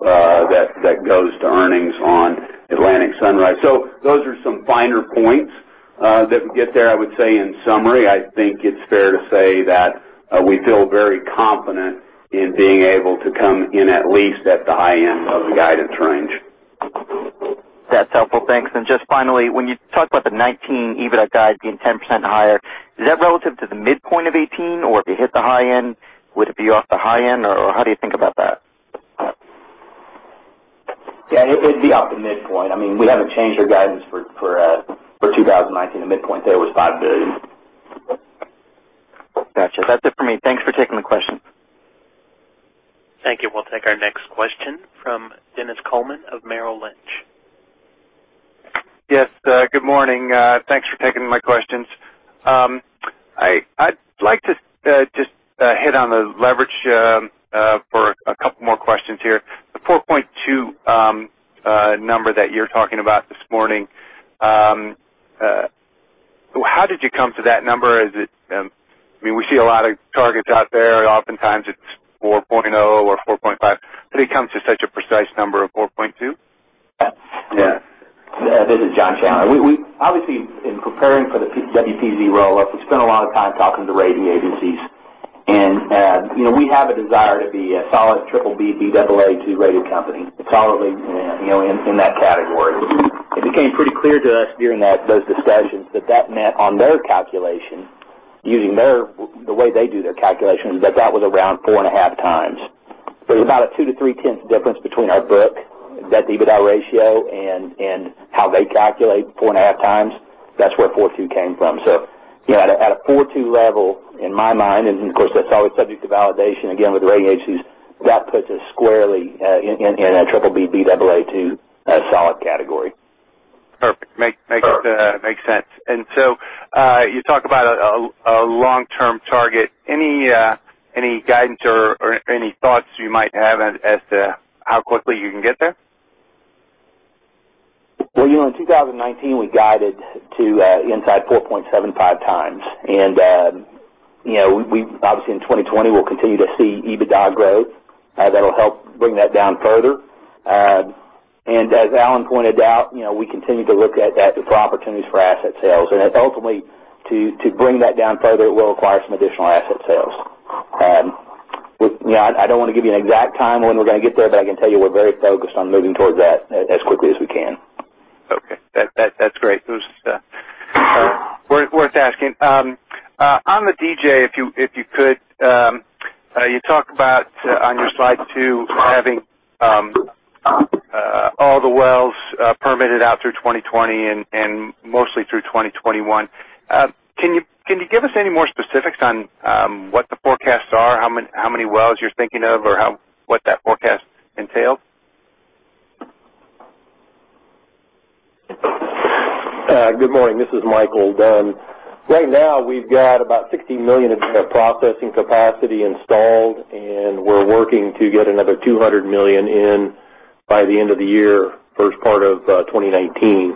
That goes to earnings on Atlantic Sunrise. Those are some finer points that we get there. I would say, in summary, I think it's fair to say that we feel very confident in being able to come in at least at the high end of the guidance range. That's helpful. Thanks. Just finally, when you talk about the 2019 EBITDA guide being 10% higher, is that relative to the midpoint of 2018, or if you hit the high end, would it be off the high end, or how do you think about that? Yeah, it'd be off the midpoint. We haven't changed our guidance for 2019. The midpoint there was $5 billion. Got you. That's it for me. Thanks for taking the question. Thank you. We'll take our next question from Dennis Coleman of Merrill Lynch. Yes. Good morning. Thanks for taking my questions. I'd like to just hit on the leverage for a couple more questions here. The 4.2 number that you are talking about this morning, how did you come to that number? We see a lot of targets out there. Oftentimes, it is 4.0 or 4.5. How did it come to such a precise number of 4.2? Yeah. This is John Chandler. Obviously, in preparing for the WPZ roll-up, we spent a lot of time talking to the rating agencies. We have a desire to be a solid triple B, Baa2 rated company. It is all in that category. It became pretty clear to us during those discussions that that meant on their calculation, using the way they do their calculations, that was around four and a half times. There is about a two to three-tenths difference between our book, that EBITDA ratio, and how they calculate four and a half times. That is where 4.2 came from. At a 4.2 level, in my mind, and of course, that is always subject to validation, again, with the rating agencies, that puts us squarely in a triple B, Baa2 solid category. Perfect. Makes sense. You talk about a long-term target. Any guidance or any thoughts you might have as to how quickly you can get there? Well, in 2019, we guided to inside 4.75 times. Obviously, in 2020, we will continue to see EBITDA grow. That will help bring that down further. As Alan pointed out, we continue to look at that for opportunities for asset sales. Ultimately, to bring that down further, it will require some additional asset sales. I do not want to give you an exact time when we are going to get there, but I can tell you we are very focused on moving towards that as quickly as we can. Okay. That's great. It was worth asking. On the DJ, if you could, you talk about on your slide two having all the wells permitted out through 2020 and mostly through 2021. Can you give us any more specifics on what the forecasts are, how many wells you're thinking of, or what that forecast entails? Good morning. This is Micheal Dunn. Right now, we've got about 60 million of processing capacity installed. We're working to get another 200 million in by the end of the year, first part of 2019.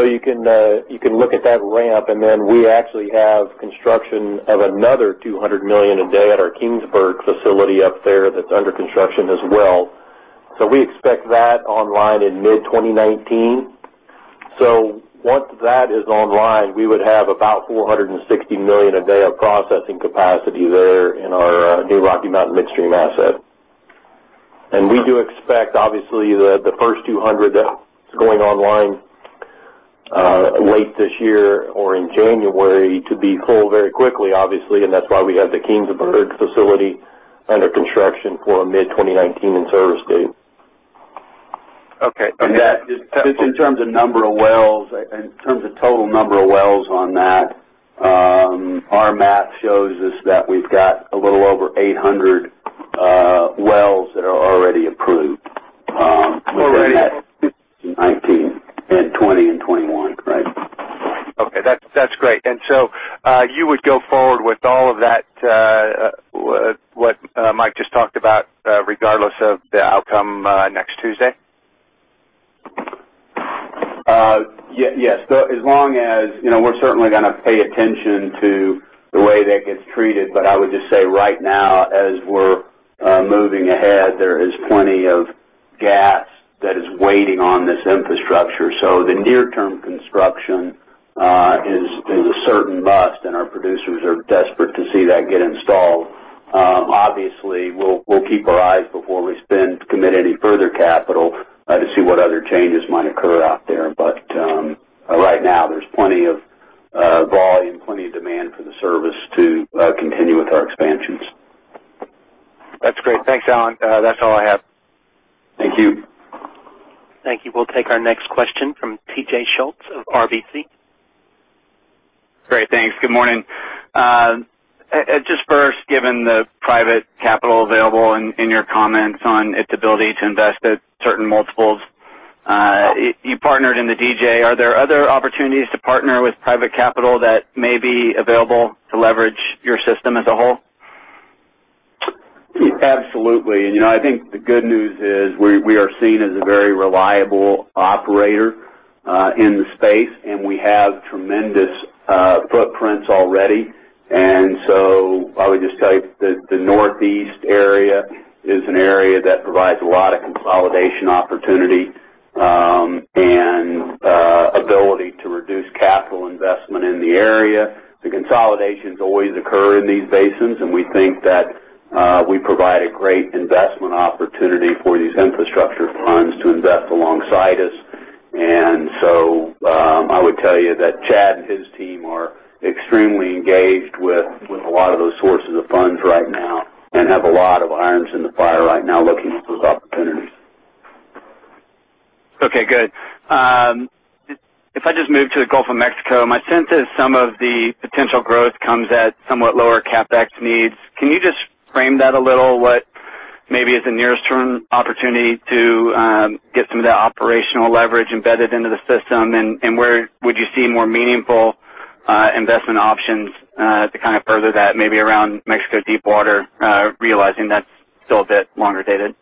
You can look at that ramp. Then we actually have construction of another 200 million a day at our Kingsburg facility up there that's under construction as well. We expect that online in mid-2019. Once that is online, we would have about 460 million a day of processing capacity there in our new Rocky Mountain Midstream asset. We do expect, obviously, the first 200 that's going online late this year or in January to be full very quickly, obviously, and that's why we have the Kingsburg facility under construction for a mid-2019 in-service date. Okay. Just in terms of number of wells, in terms of total number of wells on that, our math shows us that we've got a little over 800 wells that are already approved within that- Already. 2019 and 2020 and 2021. Right. Okay, that's great. You would go forward with all of that, what Mike just talked about, regardless of the outcome next Tuesday? Yes. We're certainly going to pay attention to the way that gets treated, I would just say right now, as we're moving ahead, there is plenty of gas that is waiting on this infrastructure. The near-term construction is a certain must, our producers are desperate to see that get installed. We'll keep our eyes before we commit any further capital to see what other changes might occur out there. Right now, there's plenty of volume, plenty of demand for the service to continue with our expansions. That's great. Thanks, Alan. That's all I have. Thank you. Thank you. We'll take our next question from TJ Schultz of RBC. Great, thanks. Good morning. Just first, given the private capital available and your comments on its ability to invest at certain multiples. You partnered in the DJ. Are there other opportunities to partner with private capital that may be available to leverage your system as a whole? Absolutely. I think the good news is we are seen as a very reliable operator in the space, and we have tremendous footprints already. I would just tell you that the Northeast area is an area that provides a lot of consolidation opportunity and ability to reduce capital investment in the area. The consolidations always occur in these basins, and we think that we provide a great investment opportunity for these infrastructure funds to invest alongside us. I would tell you that Chad and his team are extremely engaged with a lot of those sources of funds right now and have a lot of irons in the fire right now looking at those opportunities. Okay, good. If I just move to the Gulf of Mexico, my sense is some of the potential growth comes at somewhat lower CapEx needs. Can you just frame that a little? What maybe is the nearest term opportunity to get some of that operational leverage embedded into the system, and where would you see more meaningful investment options to further that, maybe around Mexico Deep Water, realizing that's still a bit longer dated?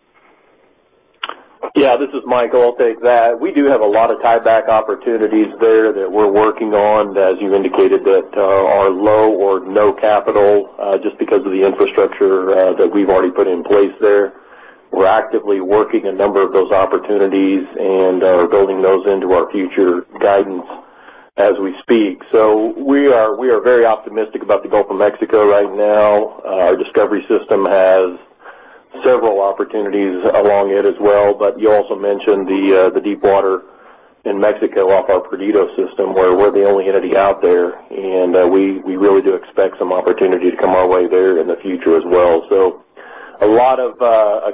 This is Micheal. I'll take that. We do have a lot of tieback opportunities there that we're working on that you indicated that are low or no capital, just because of the infrastructure that we've already put in place there. We're actively working a number of those opportunities and are building those into our future guidance as we speak. We are very optimistic about the Gulf of Mexico right now. Our Discovery system has several opportunities along it as well. You also mentioned the Deep Water in Mexico off our Perdido system, where we're the only entity out there, and we really do expect some opportunity to come our way there in the future as well. A lot of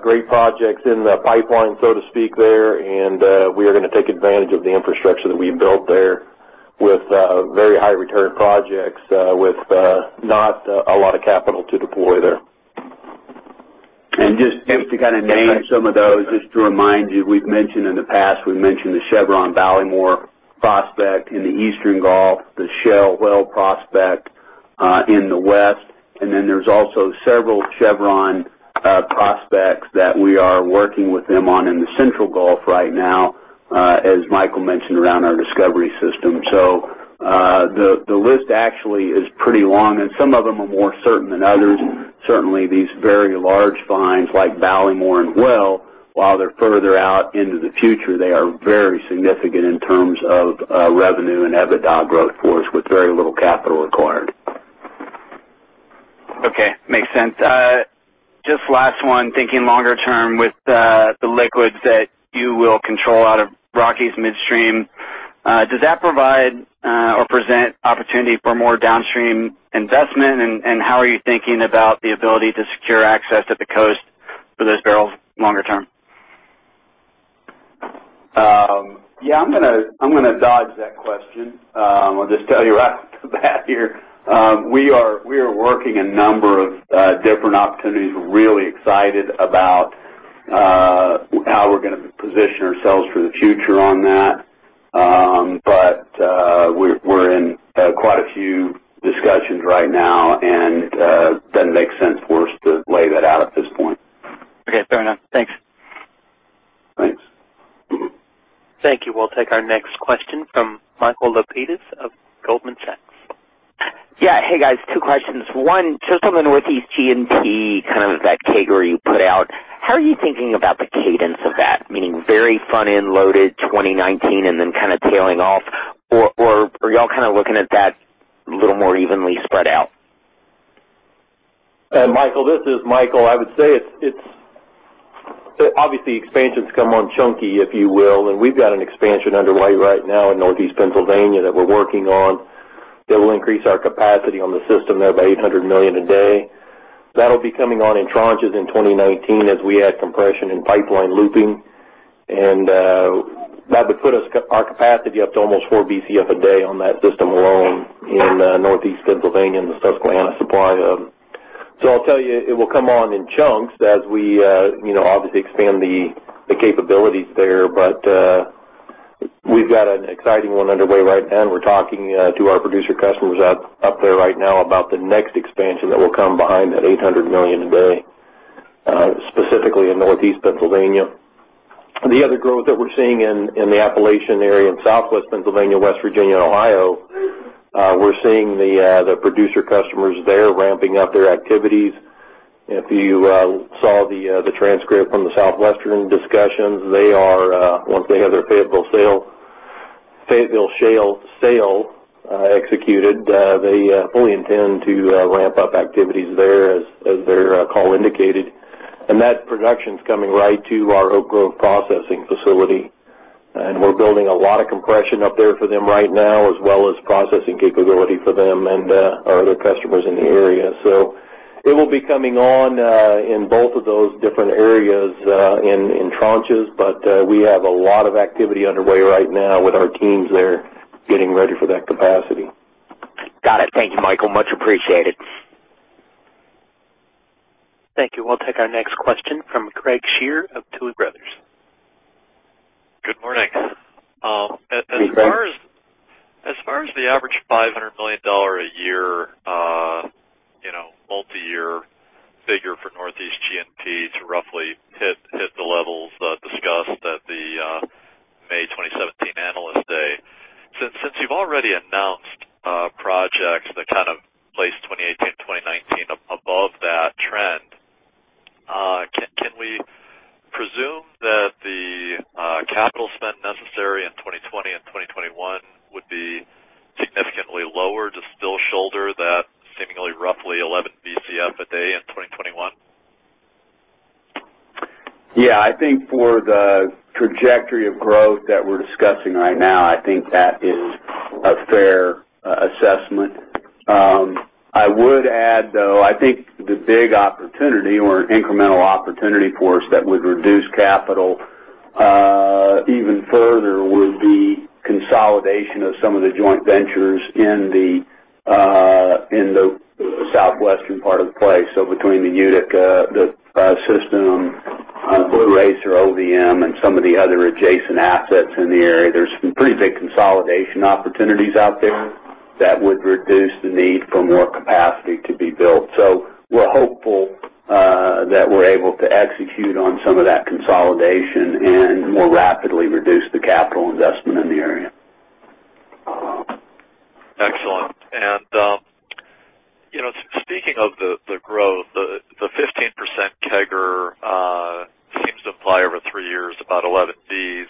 great projects in the pipeline, so to speak there, and we are going to take advantage of the infrastructure that we've built there with very high return projects, with not a lot of capital to deploy there. Just to name some of those, just to remind you, we've mentioned in the past, we've mentioned the Chevron Ballymore prospect in the Eastern Gulf, the Shell Whale prospect in the West. There's also several Chevron prospects that we are working with them on in the Central Gulf right now, as Micheal mentioned around our Discovery system. The list actually is pretty long, and some of them are more certain than others. Certainly, these very large finds like Ballymore and Whale, while they're further out into the future, they are very significant in terms of revenue and EBITDA growth for us with very little capital required. Okay. Makes sense. Just last one, thinking longer term with the liquids that you will control out of Rockies midstream. Does that provide or present opportunity for more downstream investment? How are you thinking about the ability to secure access to the coast for those barrels longer term? I'm gonna dodge that question. I'll just tell you right off the bat here, we are working a number of different opportunities. We're really excited about how we're going to position ourselves for the future on that. We're in quite a few discussions right now, and it doesn't make sense for us to lay that out at this point. Fair enough. Thanks. Thanks. Thank you. We'll take our next question from Michael Lapides of Goldman Sachs. Hey, guys. Two questions. One, just on the Northeast G&P, that category you put out, how are you thinking about the cadence of that? Meaning very front-end loaded 2019 and then tailing off, or are you all looking at that a little more evenly spread out? Michael, this is Micheal. I would say, obviously, expansions come on chunky, if you will, and we've got an expansion underway right now in Northeast Pennsylvania that we're working on that will increase our capacity on the system there by 800 million a day. That'll be coming on in tranches in 2019 as we add compression and pipeline looping. That would put our capacity up to almost 4 BCF a day on that system alone in Northeast Pennsylvania and the Susquehanna Supply Hub. I'll tell you, it will come on in chunks as we obviously expand the capabilities there. We've got an exciting one underway right now, and we're talking to our producer customers up there right now about the next expansion that will come behind that 800 million a day, specifically in Northeast Pennsylvania. The other growth that we're seeing in the Appalachian area in Southwest Pennsylvania, West Virginia, and Ohio, we're seeing The producer customers there ramping up their activities. If you saw the transcript from the Southwestern Energy discussions, once they have their Fayetteville Shale sale executed, they fully intend to ramp up activities there as their call indicated. That production's coming right to our Oak Grove processing facility. We're building a lot of compression up there for them right now, as well as processing capability for them and our other customers in the area. It will be coming on in both of those different areas in tranches, but we have a lot of activity underway right now with our teams there getting ready for that capacity. Got it. Thank you, Micheal. Much appreciated. Thank you. We'll take our next question from Craig Shere of Tuohy Brothers. Good morning. Hey, Craig. As far as the average $500 million a year multi-year figure for Northeast G&P to roughly hit the levels discussed at the May 2017 Analyst Day, since you've already announced projects that place 2018 to 2019 above that trend, can we presume that the capital spend necessary in 2020 and 2021 would be significantly lower to still shoulder that seemingly roughly 11 Bcf a day in 2021? I think for the trajectory of growth that we're discussing right now, I think that is a fair assessment. I would add, though, I think the big opportunity or an incremental opportunity for us that would reduce capital even further would be consolidation of some of the joint ventures in the Southwestern part of the place. Between the Utica system, Blue Racer OVM, and some of the other adjacent assets in the area, there's some pretty big consolidation opportunities out there that would reduce the need for more capacity to be built. We're hopeful that we're able to execute on some of that consolidation and more rapidly reduce the capital investment in the area. Excellent. Speaking of the growth, the 15% CAGR seems to apply over three years, about 11 Bs.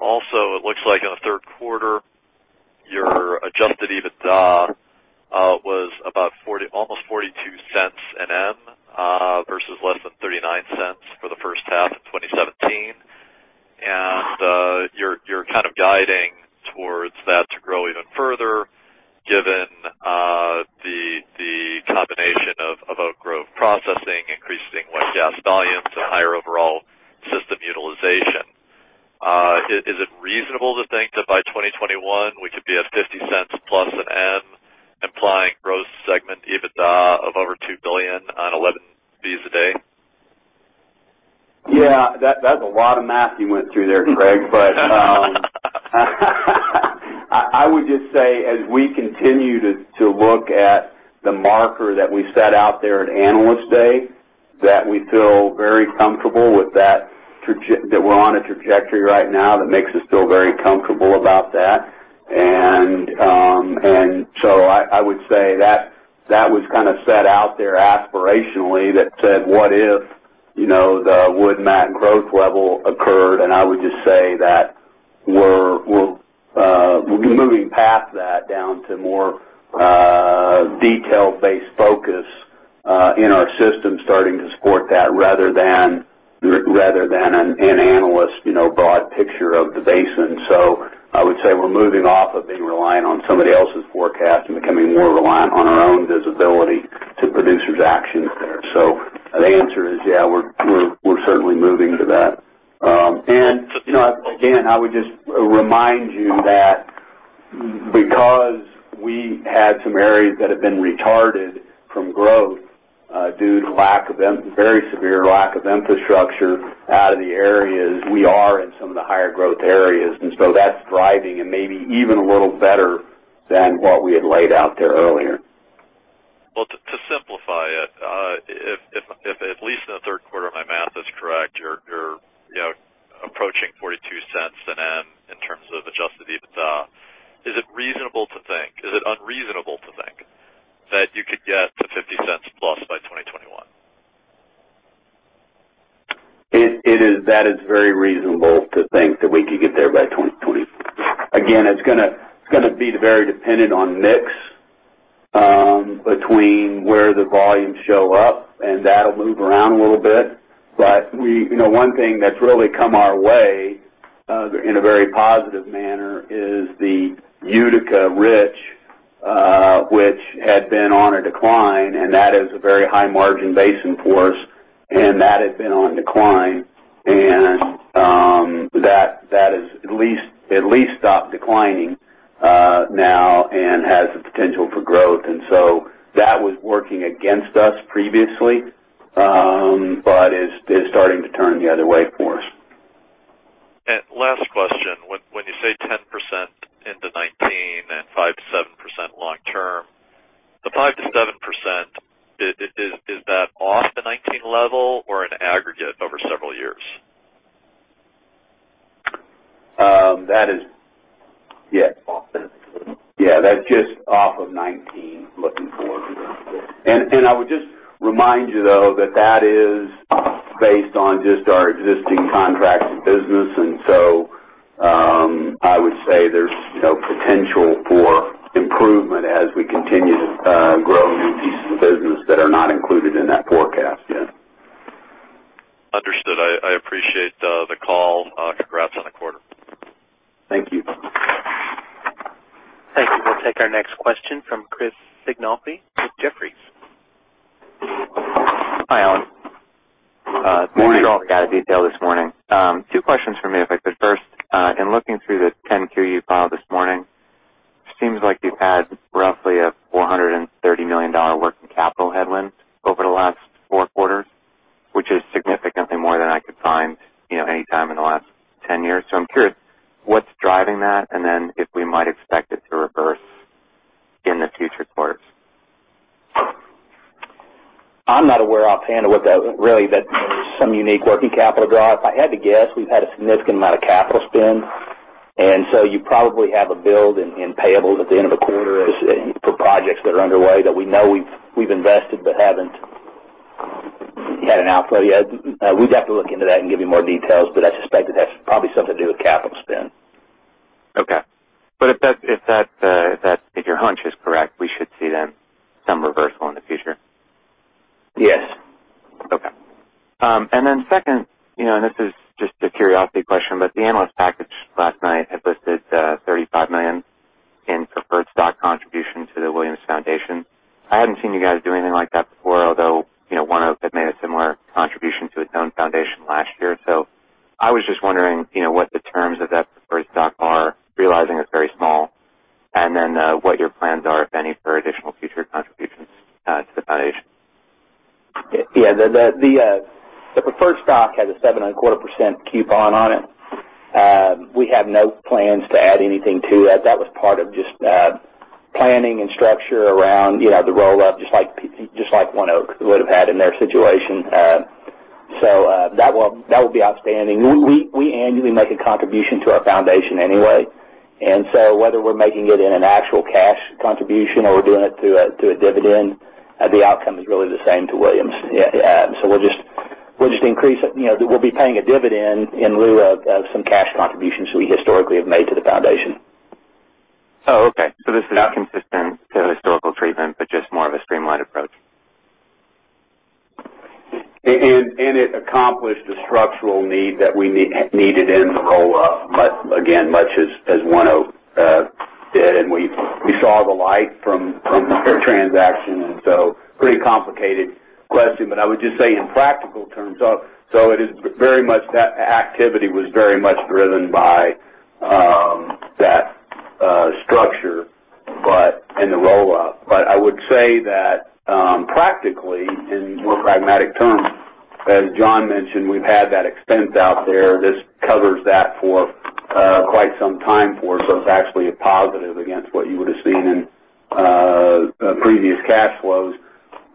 Also it looks like in the third quarter, I would say that was set out there aspirationally that said, what if the Wood Mackenzie growth level occurred, and I would just say that we'll be moving past that down to more detailed base focus in our system starting to support that rather than an analyst broad picture of the basin. I would say we're moving off of being reliant on somebody else's forecast and becoming more reliant on our own visibility to producers' actions there. The answer is, we're certainly moving to that. Again, I would just remind you that because we had some areas that have been retarded from growth due to very severe lack of infrastructure out of the areas, we are in some of the higher growth areas. That's driving and maybe even a little better than what we had laid out there earlier. Well, to simplify it, if at least in the third quarter, my math is correct, you're approaching $0.42 an MCF in terms of adjusted EBITDA. Is it unreasonable to think that you could get to $0.50 plus by 2021? That is very reasonable to think that we could get there by 2020. Again, it's going to be very dependent on mix between where the volumes show up, and that'll move around a little bit. One thing that's really come our way in a very positive manner is the Utica Rich which had been on a decline, that is a very high margin basin for us, that had been on decline. That is at least stopped declining now and has the potential for growth. So that was working against us previously, but is starting to turn the other way for us. Last question. When you say 10% into 2019 and 5%-7% long term, the 5%-7%, is that off the 2019 level or an aggregate over several years? That is, yeah. Awesome. Yeah. That's just off of 2019, looking forward. I would just remind you though, that that is based on just our existing contracts and business. I would say there's potential for improvement as we continue to grow new pieces of business that are not included in that forecast yet. Understood. I appreciate the call. Congrats on the quarter. Thank you. Thank you. We'll take our next question from Chris Sighinolfi with Jefferies. Hi, Alan. Morning. Thanks for all the detail this morning. Two questions from me, if I could. First, in looking through the 10-Q you filed this morning, it seems like you've had roughly a $430 million working capital headwind over the last four quarters, which is significantly more than I could find any time in the last 10 years. I'm curious what's driving that, then if we might expect it to reverse in the future quarters. I'm not aware offhand of what that some unique working capital draw. If I had to guess, we've had a significant amount of capital spend, so you probably have a build in payables at the end of a quarter for projects that are underway that we know we've invested but haven't had an outflow yet. We'd have to look into that and give you more details, I suspect that has probably something to do with capital spend. Okay. If your hunch is correct, we should see then some reversal in the future. Yes. Second, this is just a curiosity question, the analyst package last night had listed $35 million in preferred stock contribution to The Williams Companies Foundation. I hadn't seen you guys do anything like that before, although ONEOK had made a similar contribution to its own foundation last year. I was just wondering what the terms of that preferred stock are, realizing it's very small, and what your plans are, if any, for additional future contributions to the foundation. Yeah. The preferred stock has a 7.25% coupon on it. We have no plans to add anything to it. That was part of just planning and structure around the roll-up, just like ONEOK would have had in their situation. That will be outstanding. We annually make a contribution to our foundation anyway, whether we're making it in an actual cash contribution or we're doing it through a dividend, the outcome is really the same to Williams. We'll just increase it. We'll be paying a dividend in lieu of some cash contributions we historically have made to the foundation. Oh, okay. This is not consistent to historical treatment, just more of a streamlined approach. It accomplished a structural need that we needed in the roll-up, again, much as ONEOK did, we saw the light from their transaction, pretty complicated question. I would just say in practical terms, that activity was very much driven by that structure in the roll-up. I would say that practically, in more pragmatic terms, as John mentioned, we've had that expense out there. This covers that for quite some time for us, it's actually a positive against what you would've seen in previous cash flows.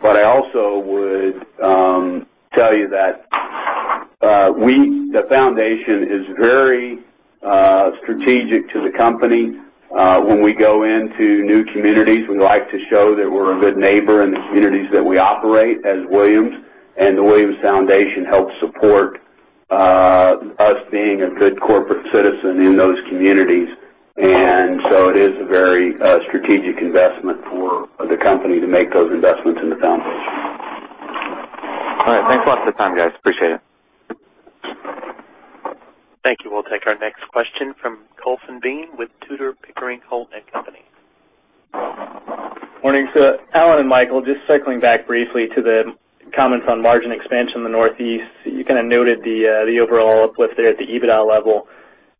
I also would tell you that the foundation is very strategic to the company. When we go into new communities, we like to show that we're a good neighbor in the communities that we operate as Williams, and The Williams Companies Foundation helps support us being a good corporate citizen in those communities. It is a very strategic investment for the company to make those investments in the foundation. All right. Thanks a lot for the time, guys. Appreciate it. Thank you. We'll take our next question from Colton Bean with Tudor, Pickering, Holt & Co.. Morning. Alan and Micheal, just circling back briefly to the comments on margin expansion in the Northeast. You noted the overall uplift there at the EBITDA level.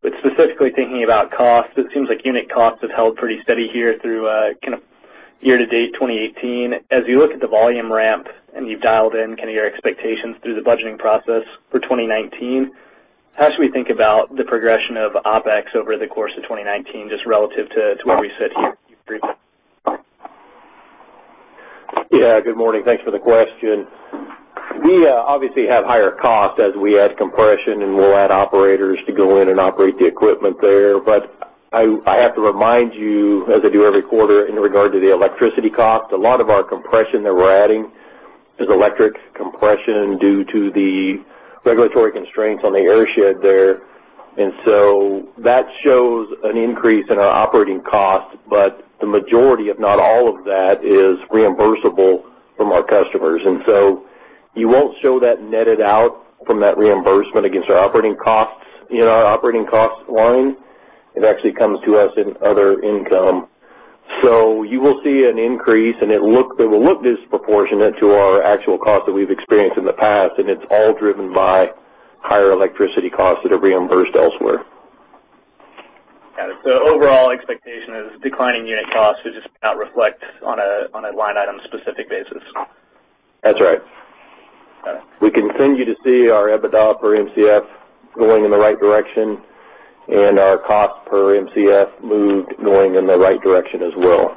But specifically thinking about cost, it seems like unit cost has held pretty steady here through year to date 2018. As you look at the volume ramp, and you've dialed in your expectations through the budgeting process for 2019, how should we think about the progression of OpEx over the course of 2019, just relative to where we sit here? Good morning. Thanks for the question. We obviously have higher costs as we add compression, and we'll add operators to go in and operate the equipment there. I have to remind you, as I do every quarter, in regard to the electricity cost, a lot of our compression that we're adding is electric compression due to the regulatory constraints on the airshed there. That shows an increase in our operating cost, but the majority, if not all of that, is reimbursable from our customers. You won't show that netted out from that reimbursement against our operating costs in our operating cost line. It actually comes to us in other income. You will see an increase, and it will look disproportionate to our actual cost that we've experienced in the past, and it's all driven by higher electricity costs that are reimbursed elsewhere. Got it. Overall expectation is declining unit costs, it's just not reflected on a line item specific basis. That's right. Got it. We continue to see our EBITDA per Mcf going in the right direction, and our cost per Mcf moved going in the right direction as well.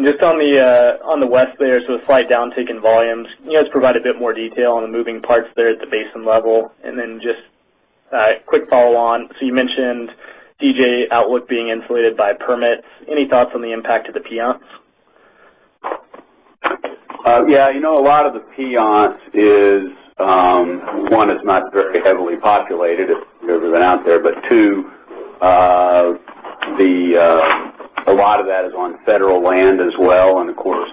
Just on the west there, a slight downtick in volumes. Can you guys provide a bit more detail on the moving parts there at the basin level? Just a quick follow-on. You mentioned DJ outlook being insulated by permits. Any thoughts on the impact of the Piceance? A lot of the Piceance, one, it's not very heavily populated if you've ever been out there. 2, a lot of that is on federal land as well, and of course,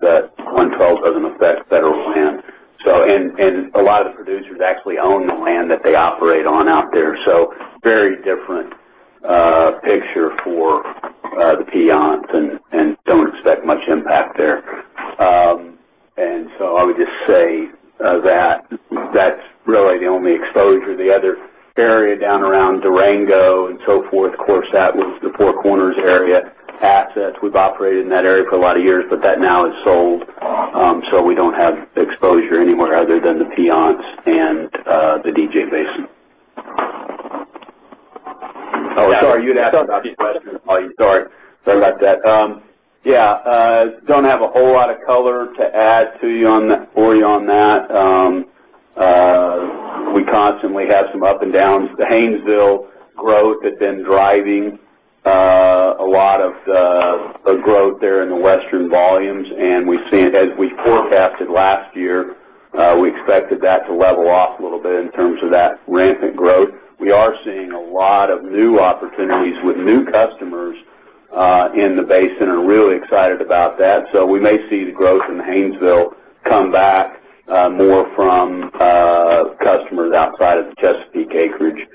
that 112 doesn't affect federal land. A lot of the producers actually own the land that they operate on out there, so very different picture for the Piceance, and don't expect much impact there. I would just say that's really the only exposure. The other area down around Durango and so forth, of course, that was the Four Corners area assets. We've operated in that area for a lot of years, but that now is sold. We don't have exposure anywhere other than the Piceance and the DJ Basin. Sorry, you had asked an obvious question. Sorry about that. Don't have a whole lot of color to add to you on that. We constantly have some up and downs. The Haynesville growth had been driving a lot of growth there in the western volumes, and as we forecasted last year, we expected that to level off a little bit in terms of that rampant growth. We are seeing a lot of new opportunities with new customers in the basin, and are really excited about that. We may see the growth in the Haynesville come back more from customers outside of the Chesapeake acreage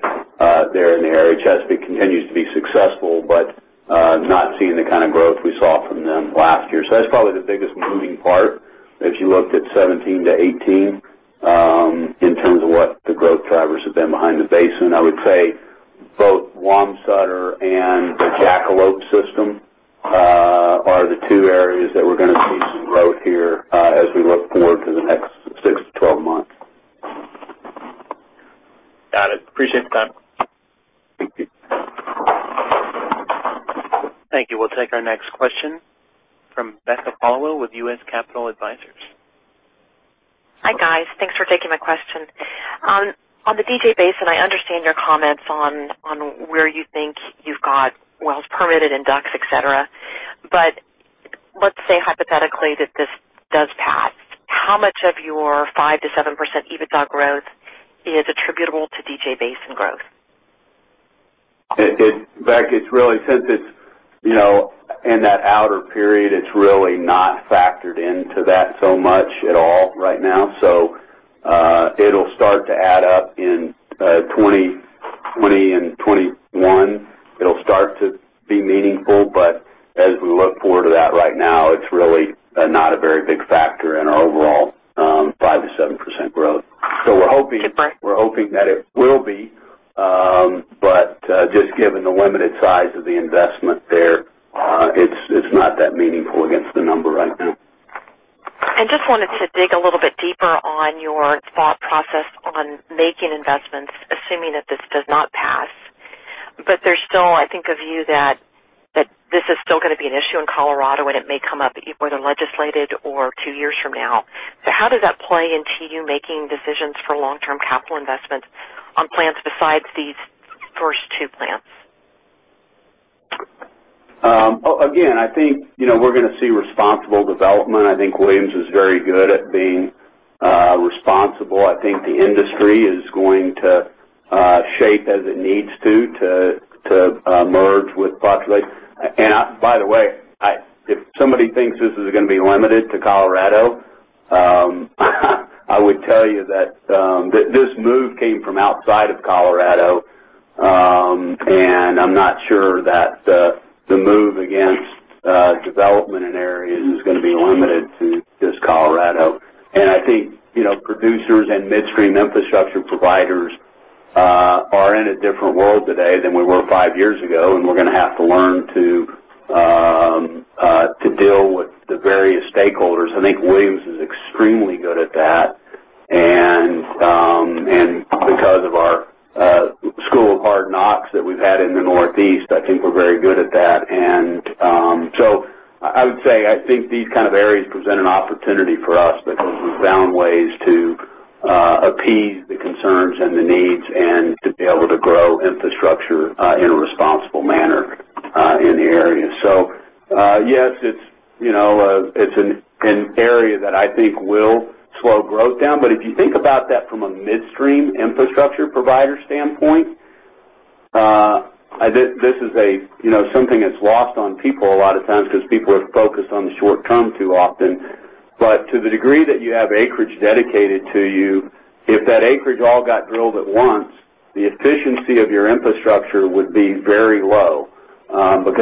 there in the area. Chesapeake continues to be successful, but not seeing the kind of growth we saw from them last year. That's probably the biggest moving part, if you looked at 2017 to 2018, in terms of what the growth drivers have been behind the basin. I would say both Wamsutter and the Jackalope system are the two areas that we're going to see some growth here as we look forward to the next six to 12 months. Got it. Appreciate the time. Thank you. Thank you. We'll take our next question from Becca Followill with U.S. Capital Advisors. Hi, guys. Thanks for taking my question. On the DJ Basin, I understand your comments on where you think you've got wells permitted in ducks, et cetera. Let's say hypothetically that this does pass. How much of your 5%-7% EBITDA growth is attributable to DJ Basin growth? Becca, since it's in that outer period, it's really not factored into that so much at all right now. It'll start to add up in 2020 and 2021. It'll start to be meaningful. As we look forward to that right now, it's really not a very big factor in our overall 5%-7% growth. Okay. Thanks. We're hoping that it will be. Just given the limited size of the investment there, it's not that meaningful against the number right now. Just wanted to dig a little bit deeper on your thought process on making investments, assuming that this does not pass. There's still, I think, a view that this is still going to be an issue in Colorado, and it may come up, whether legislated or 2 years from now. How does that play into you making decisions for long-term capital investments on plants besides these first two plants? Again, I think we're going to see responsible development. I think Williams is very good at being responsible. I think the industry is going to shape as it needs to merge with population. By the way, if somebody thinks this is going to be limited to Colorado, I would tell you that this move came from outside of Colorado. I'm not sure that the move against development in areas is going to be limited to just Colorado. I think producers and midstream infrastructure providers are in a different world today than we were five years ago, and we're going to have to learn to deal with the various stakeholders. I think Williams is extremely good at that. Because of our school of hard knocks that we've had in the Northeast, I think we're very good at that. I would say, I think these kind of areas present an opportunity for us because we've found ways to appease the concerns and the needs and to be able to grow infrastructure in a responsible manner in the area. Yes, it's an area that I think will slow growth down. If you think about that from a midstream infrastructure provider standpoint, this is something that's lost on people a lot of times because people are focused on the short term too often. To the degree that you have acreage dedicated to you, if that acreage all got drilled at once, the efficiency of your infrastructure would be very low.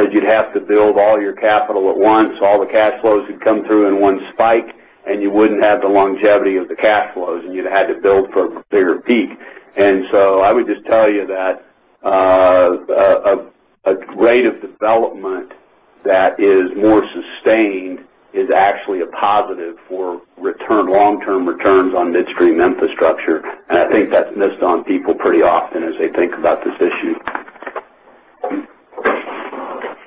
You'd have to build all your capital at once, all the cash flows would come through in one spike, and you wouldn't have the longevity of the cash flows, and you'd had to build for a bigger peak. I would just tell you that a rate of development that is more sustained is actually a positive for long-term returns on midstream infrastructure. I think that's missed on people pretty often as they think about this issue.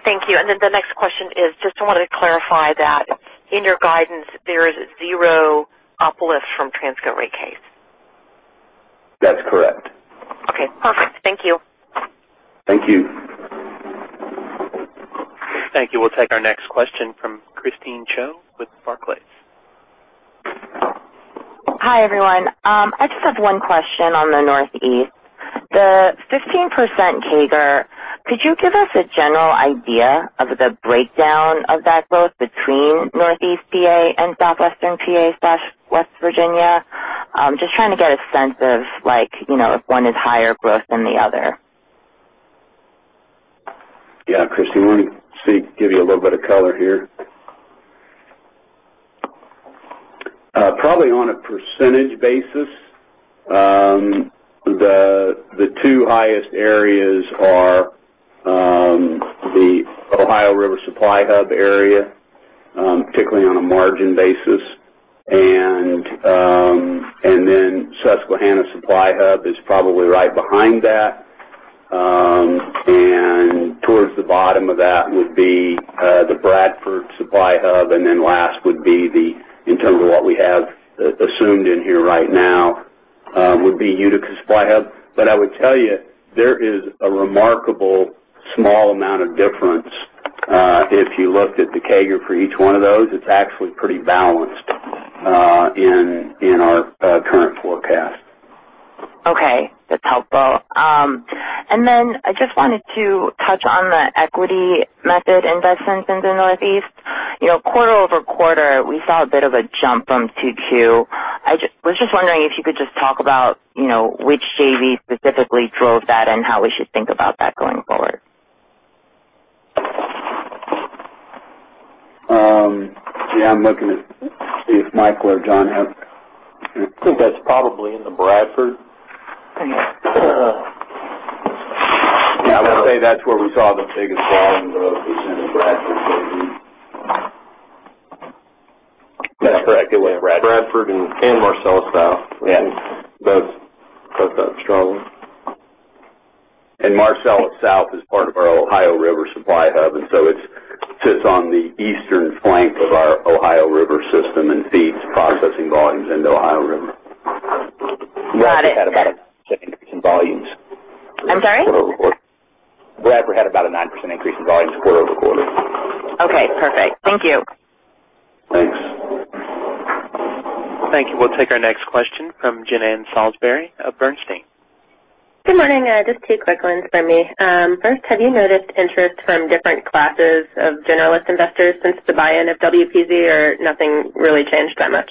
Thank you. The next question is, just wanted to clarify that in your guidance, there is zero uplift from Transco rate case. That's correct. Okay, perfect. Thank you. Thank you. Thank you. We'll take our next question from Christine Cho with Barclays. Hi, everyone. I just have one question on the Northeast. The 15% CAGR, could you give us a general idea of the breakdown of that growth between Northeast P.A. and Southwestern P.A./West Virginia? Just trying to get a sense of if one is higher growth than the other. Christine, want to give you a little bit of color here. Probably on a percentage basis, the two highest areas are the Ohio River supply hub area, particularly on a margin basis. Susquehanna supply hub is probably right behind that. Towards the bottom of that would be the Bradford supply hub. Last would be the, in terms of what we have assumed in here right now, would be Utica supply hub. I would tell you, there is a remarkable small amount of difference if you looked at the CAGR for each one of those. It's actually pretty balanced in our current forecast. That's helpful. I just wanted to touch on the equity method investments in the Northeast. Quarter-over-quarter, we saw a bit of a jump from 2-2. I was just wondering if you could just talk about which JV specifically drove that and how we should think about that going forward. Yeah, I'm looking to see if Mike or John have. I think that's probably in the Bradford. Yeah, I would say that's where we saw the biggest volume growth was in the Bradford JV. That's correct. It was Bradford and Marcellus South. Yeah. Both got strong. Marcellus South is part of our Ohio River supply hub, it sits on the eastern flank of our Ohio River system and feeds processing volumes into Ohio River. Got it. Bradford had about a 9% increase in volumes. I'm sorry? Bradford had about a 9% increase in volumes quarter-over-quarter. Okay, perfect. Thank you. Thanks. Thank you. We'll take our next question from Jean Ann Salisbury of Bernstein. Good morning. Just two quick ones from me. First, have you noticed interest from different classes of generalist investors since the buy-in of WPZ, or nothing really changed that much?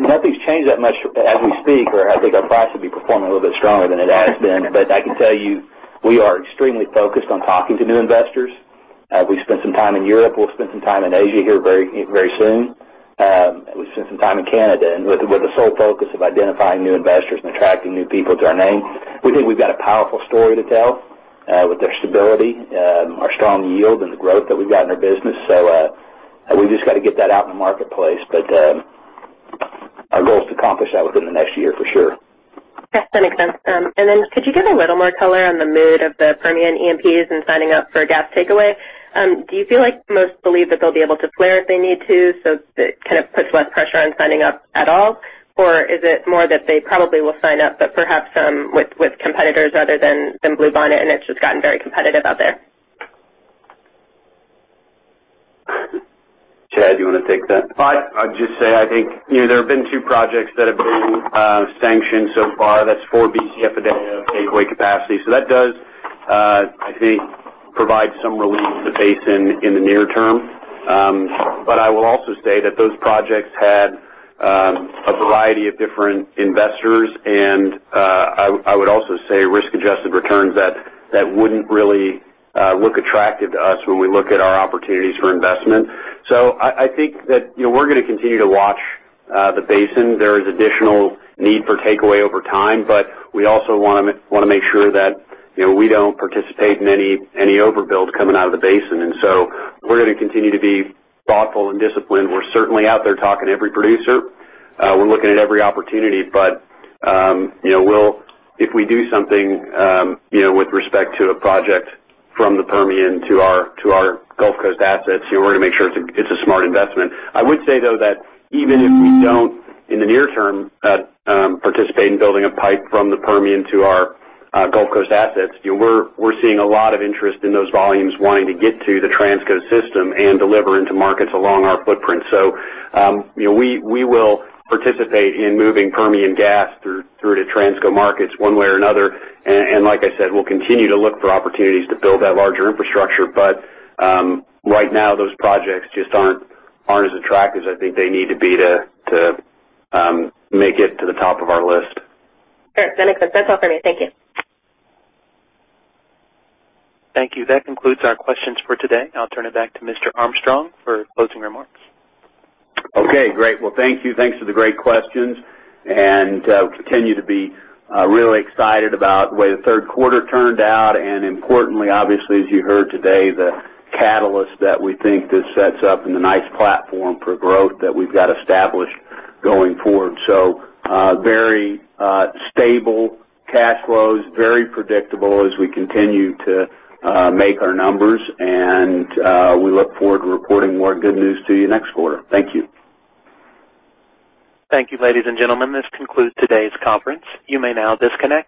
Nothing's changed that much as we speak, or I think our price would be performing a little bit stronger than it has been. I can tell you, we are extremely focused on talking to new investors. We spent some time in Europe. We'll spend some time in Asia here very soon. We've spent some time in Canada. With the sole focus of identifying new investors and attracting new people to our name. We think we've got a powerful story to tell with our stability, our strong yield, and the growth that we've got in our business. We've just got to get that out in the marketplace. Our goal is to accomplish that within the next year for sure. That makes sense. Could you give a little more color on the mood of the Permian E&Ps in signing up for gas takeaway? Do you feel like most believe that they'll be able to flare if they need to, so it puts less pressure on signing up at all? Is it more that they probably will sign up, but perhaps with competitors other than Bluebonnet, and it's just gotten very competitive out there? Chad, do you want to take that? I'd just say, I think there have been two projects that have been sanctioned so far. That's four Bcf a day of takeaway capacity. That does, I think, provide some relief to the basin in the near term. I will also say that those projects had a variety of different investors, and I would also say risk-adjusted returns that wouldn't really look attractive to us when we look at our opportunities for investment. I think that we're going to continue to watch the basin. There is additional need for takeaway over time, but we also want to make sure that we don't participate in any overbuild coming out of the basin. We're going to continue to be thoughtful and disciplined. We're certainly out there talking to every producer. We're looking at every opportunity. If we do something with respect to a project from the Permian to our Gulf Coast assets, we're going to make sure it's a smart investment. I would say, though, that even if we don't, in the near term, participate in building a pipe from the Permian to our Gulf Coast assets, we're seeing a lot of interest in those volumes wanting to get to the Transco system and deliver into markets along our footprint. We will participate in moving Permian gas through to Transco markets one way or another. Like I said, we'll continue to look for opportunities to build that larger infrastructure. Right now, those projects just aren't as attractive as I think they need to be to make it to the top of our list. Sure, that makes sense. That's all for me. Thank you. Thank you. That concludes our questions for today. I'll turn it back to Mr. Armstrong for closing remarks. Okay, great. Well, thank you. Thanks for the great questions. We continue to be really excited about the way the third quarter turned out, and importantly, obviously, as you heard today, the catalyst that we think this sets up and the nice platform for growth that we've got established going forward. Very stable cash flows, very predictable as we continue to make our numbers, and we look forward to reporting more good news to you next quarter. Thank you. Thank you, ladies and gentlemen. This concludes today's conference. You may now disconnect.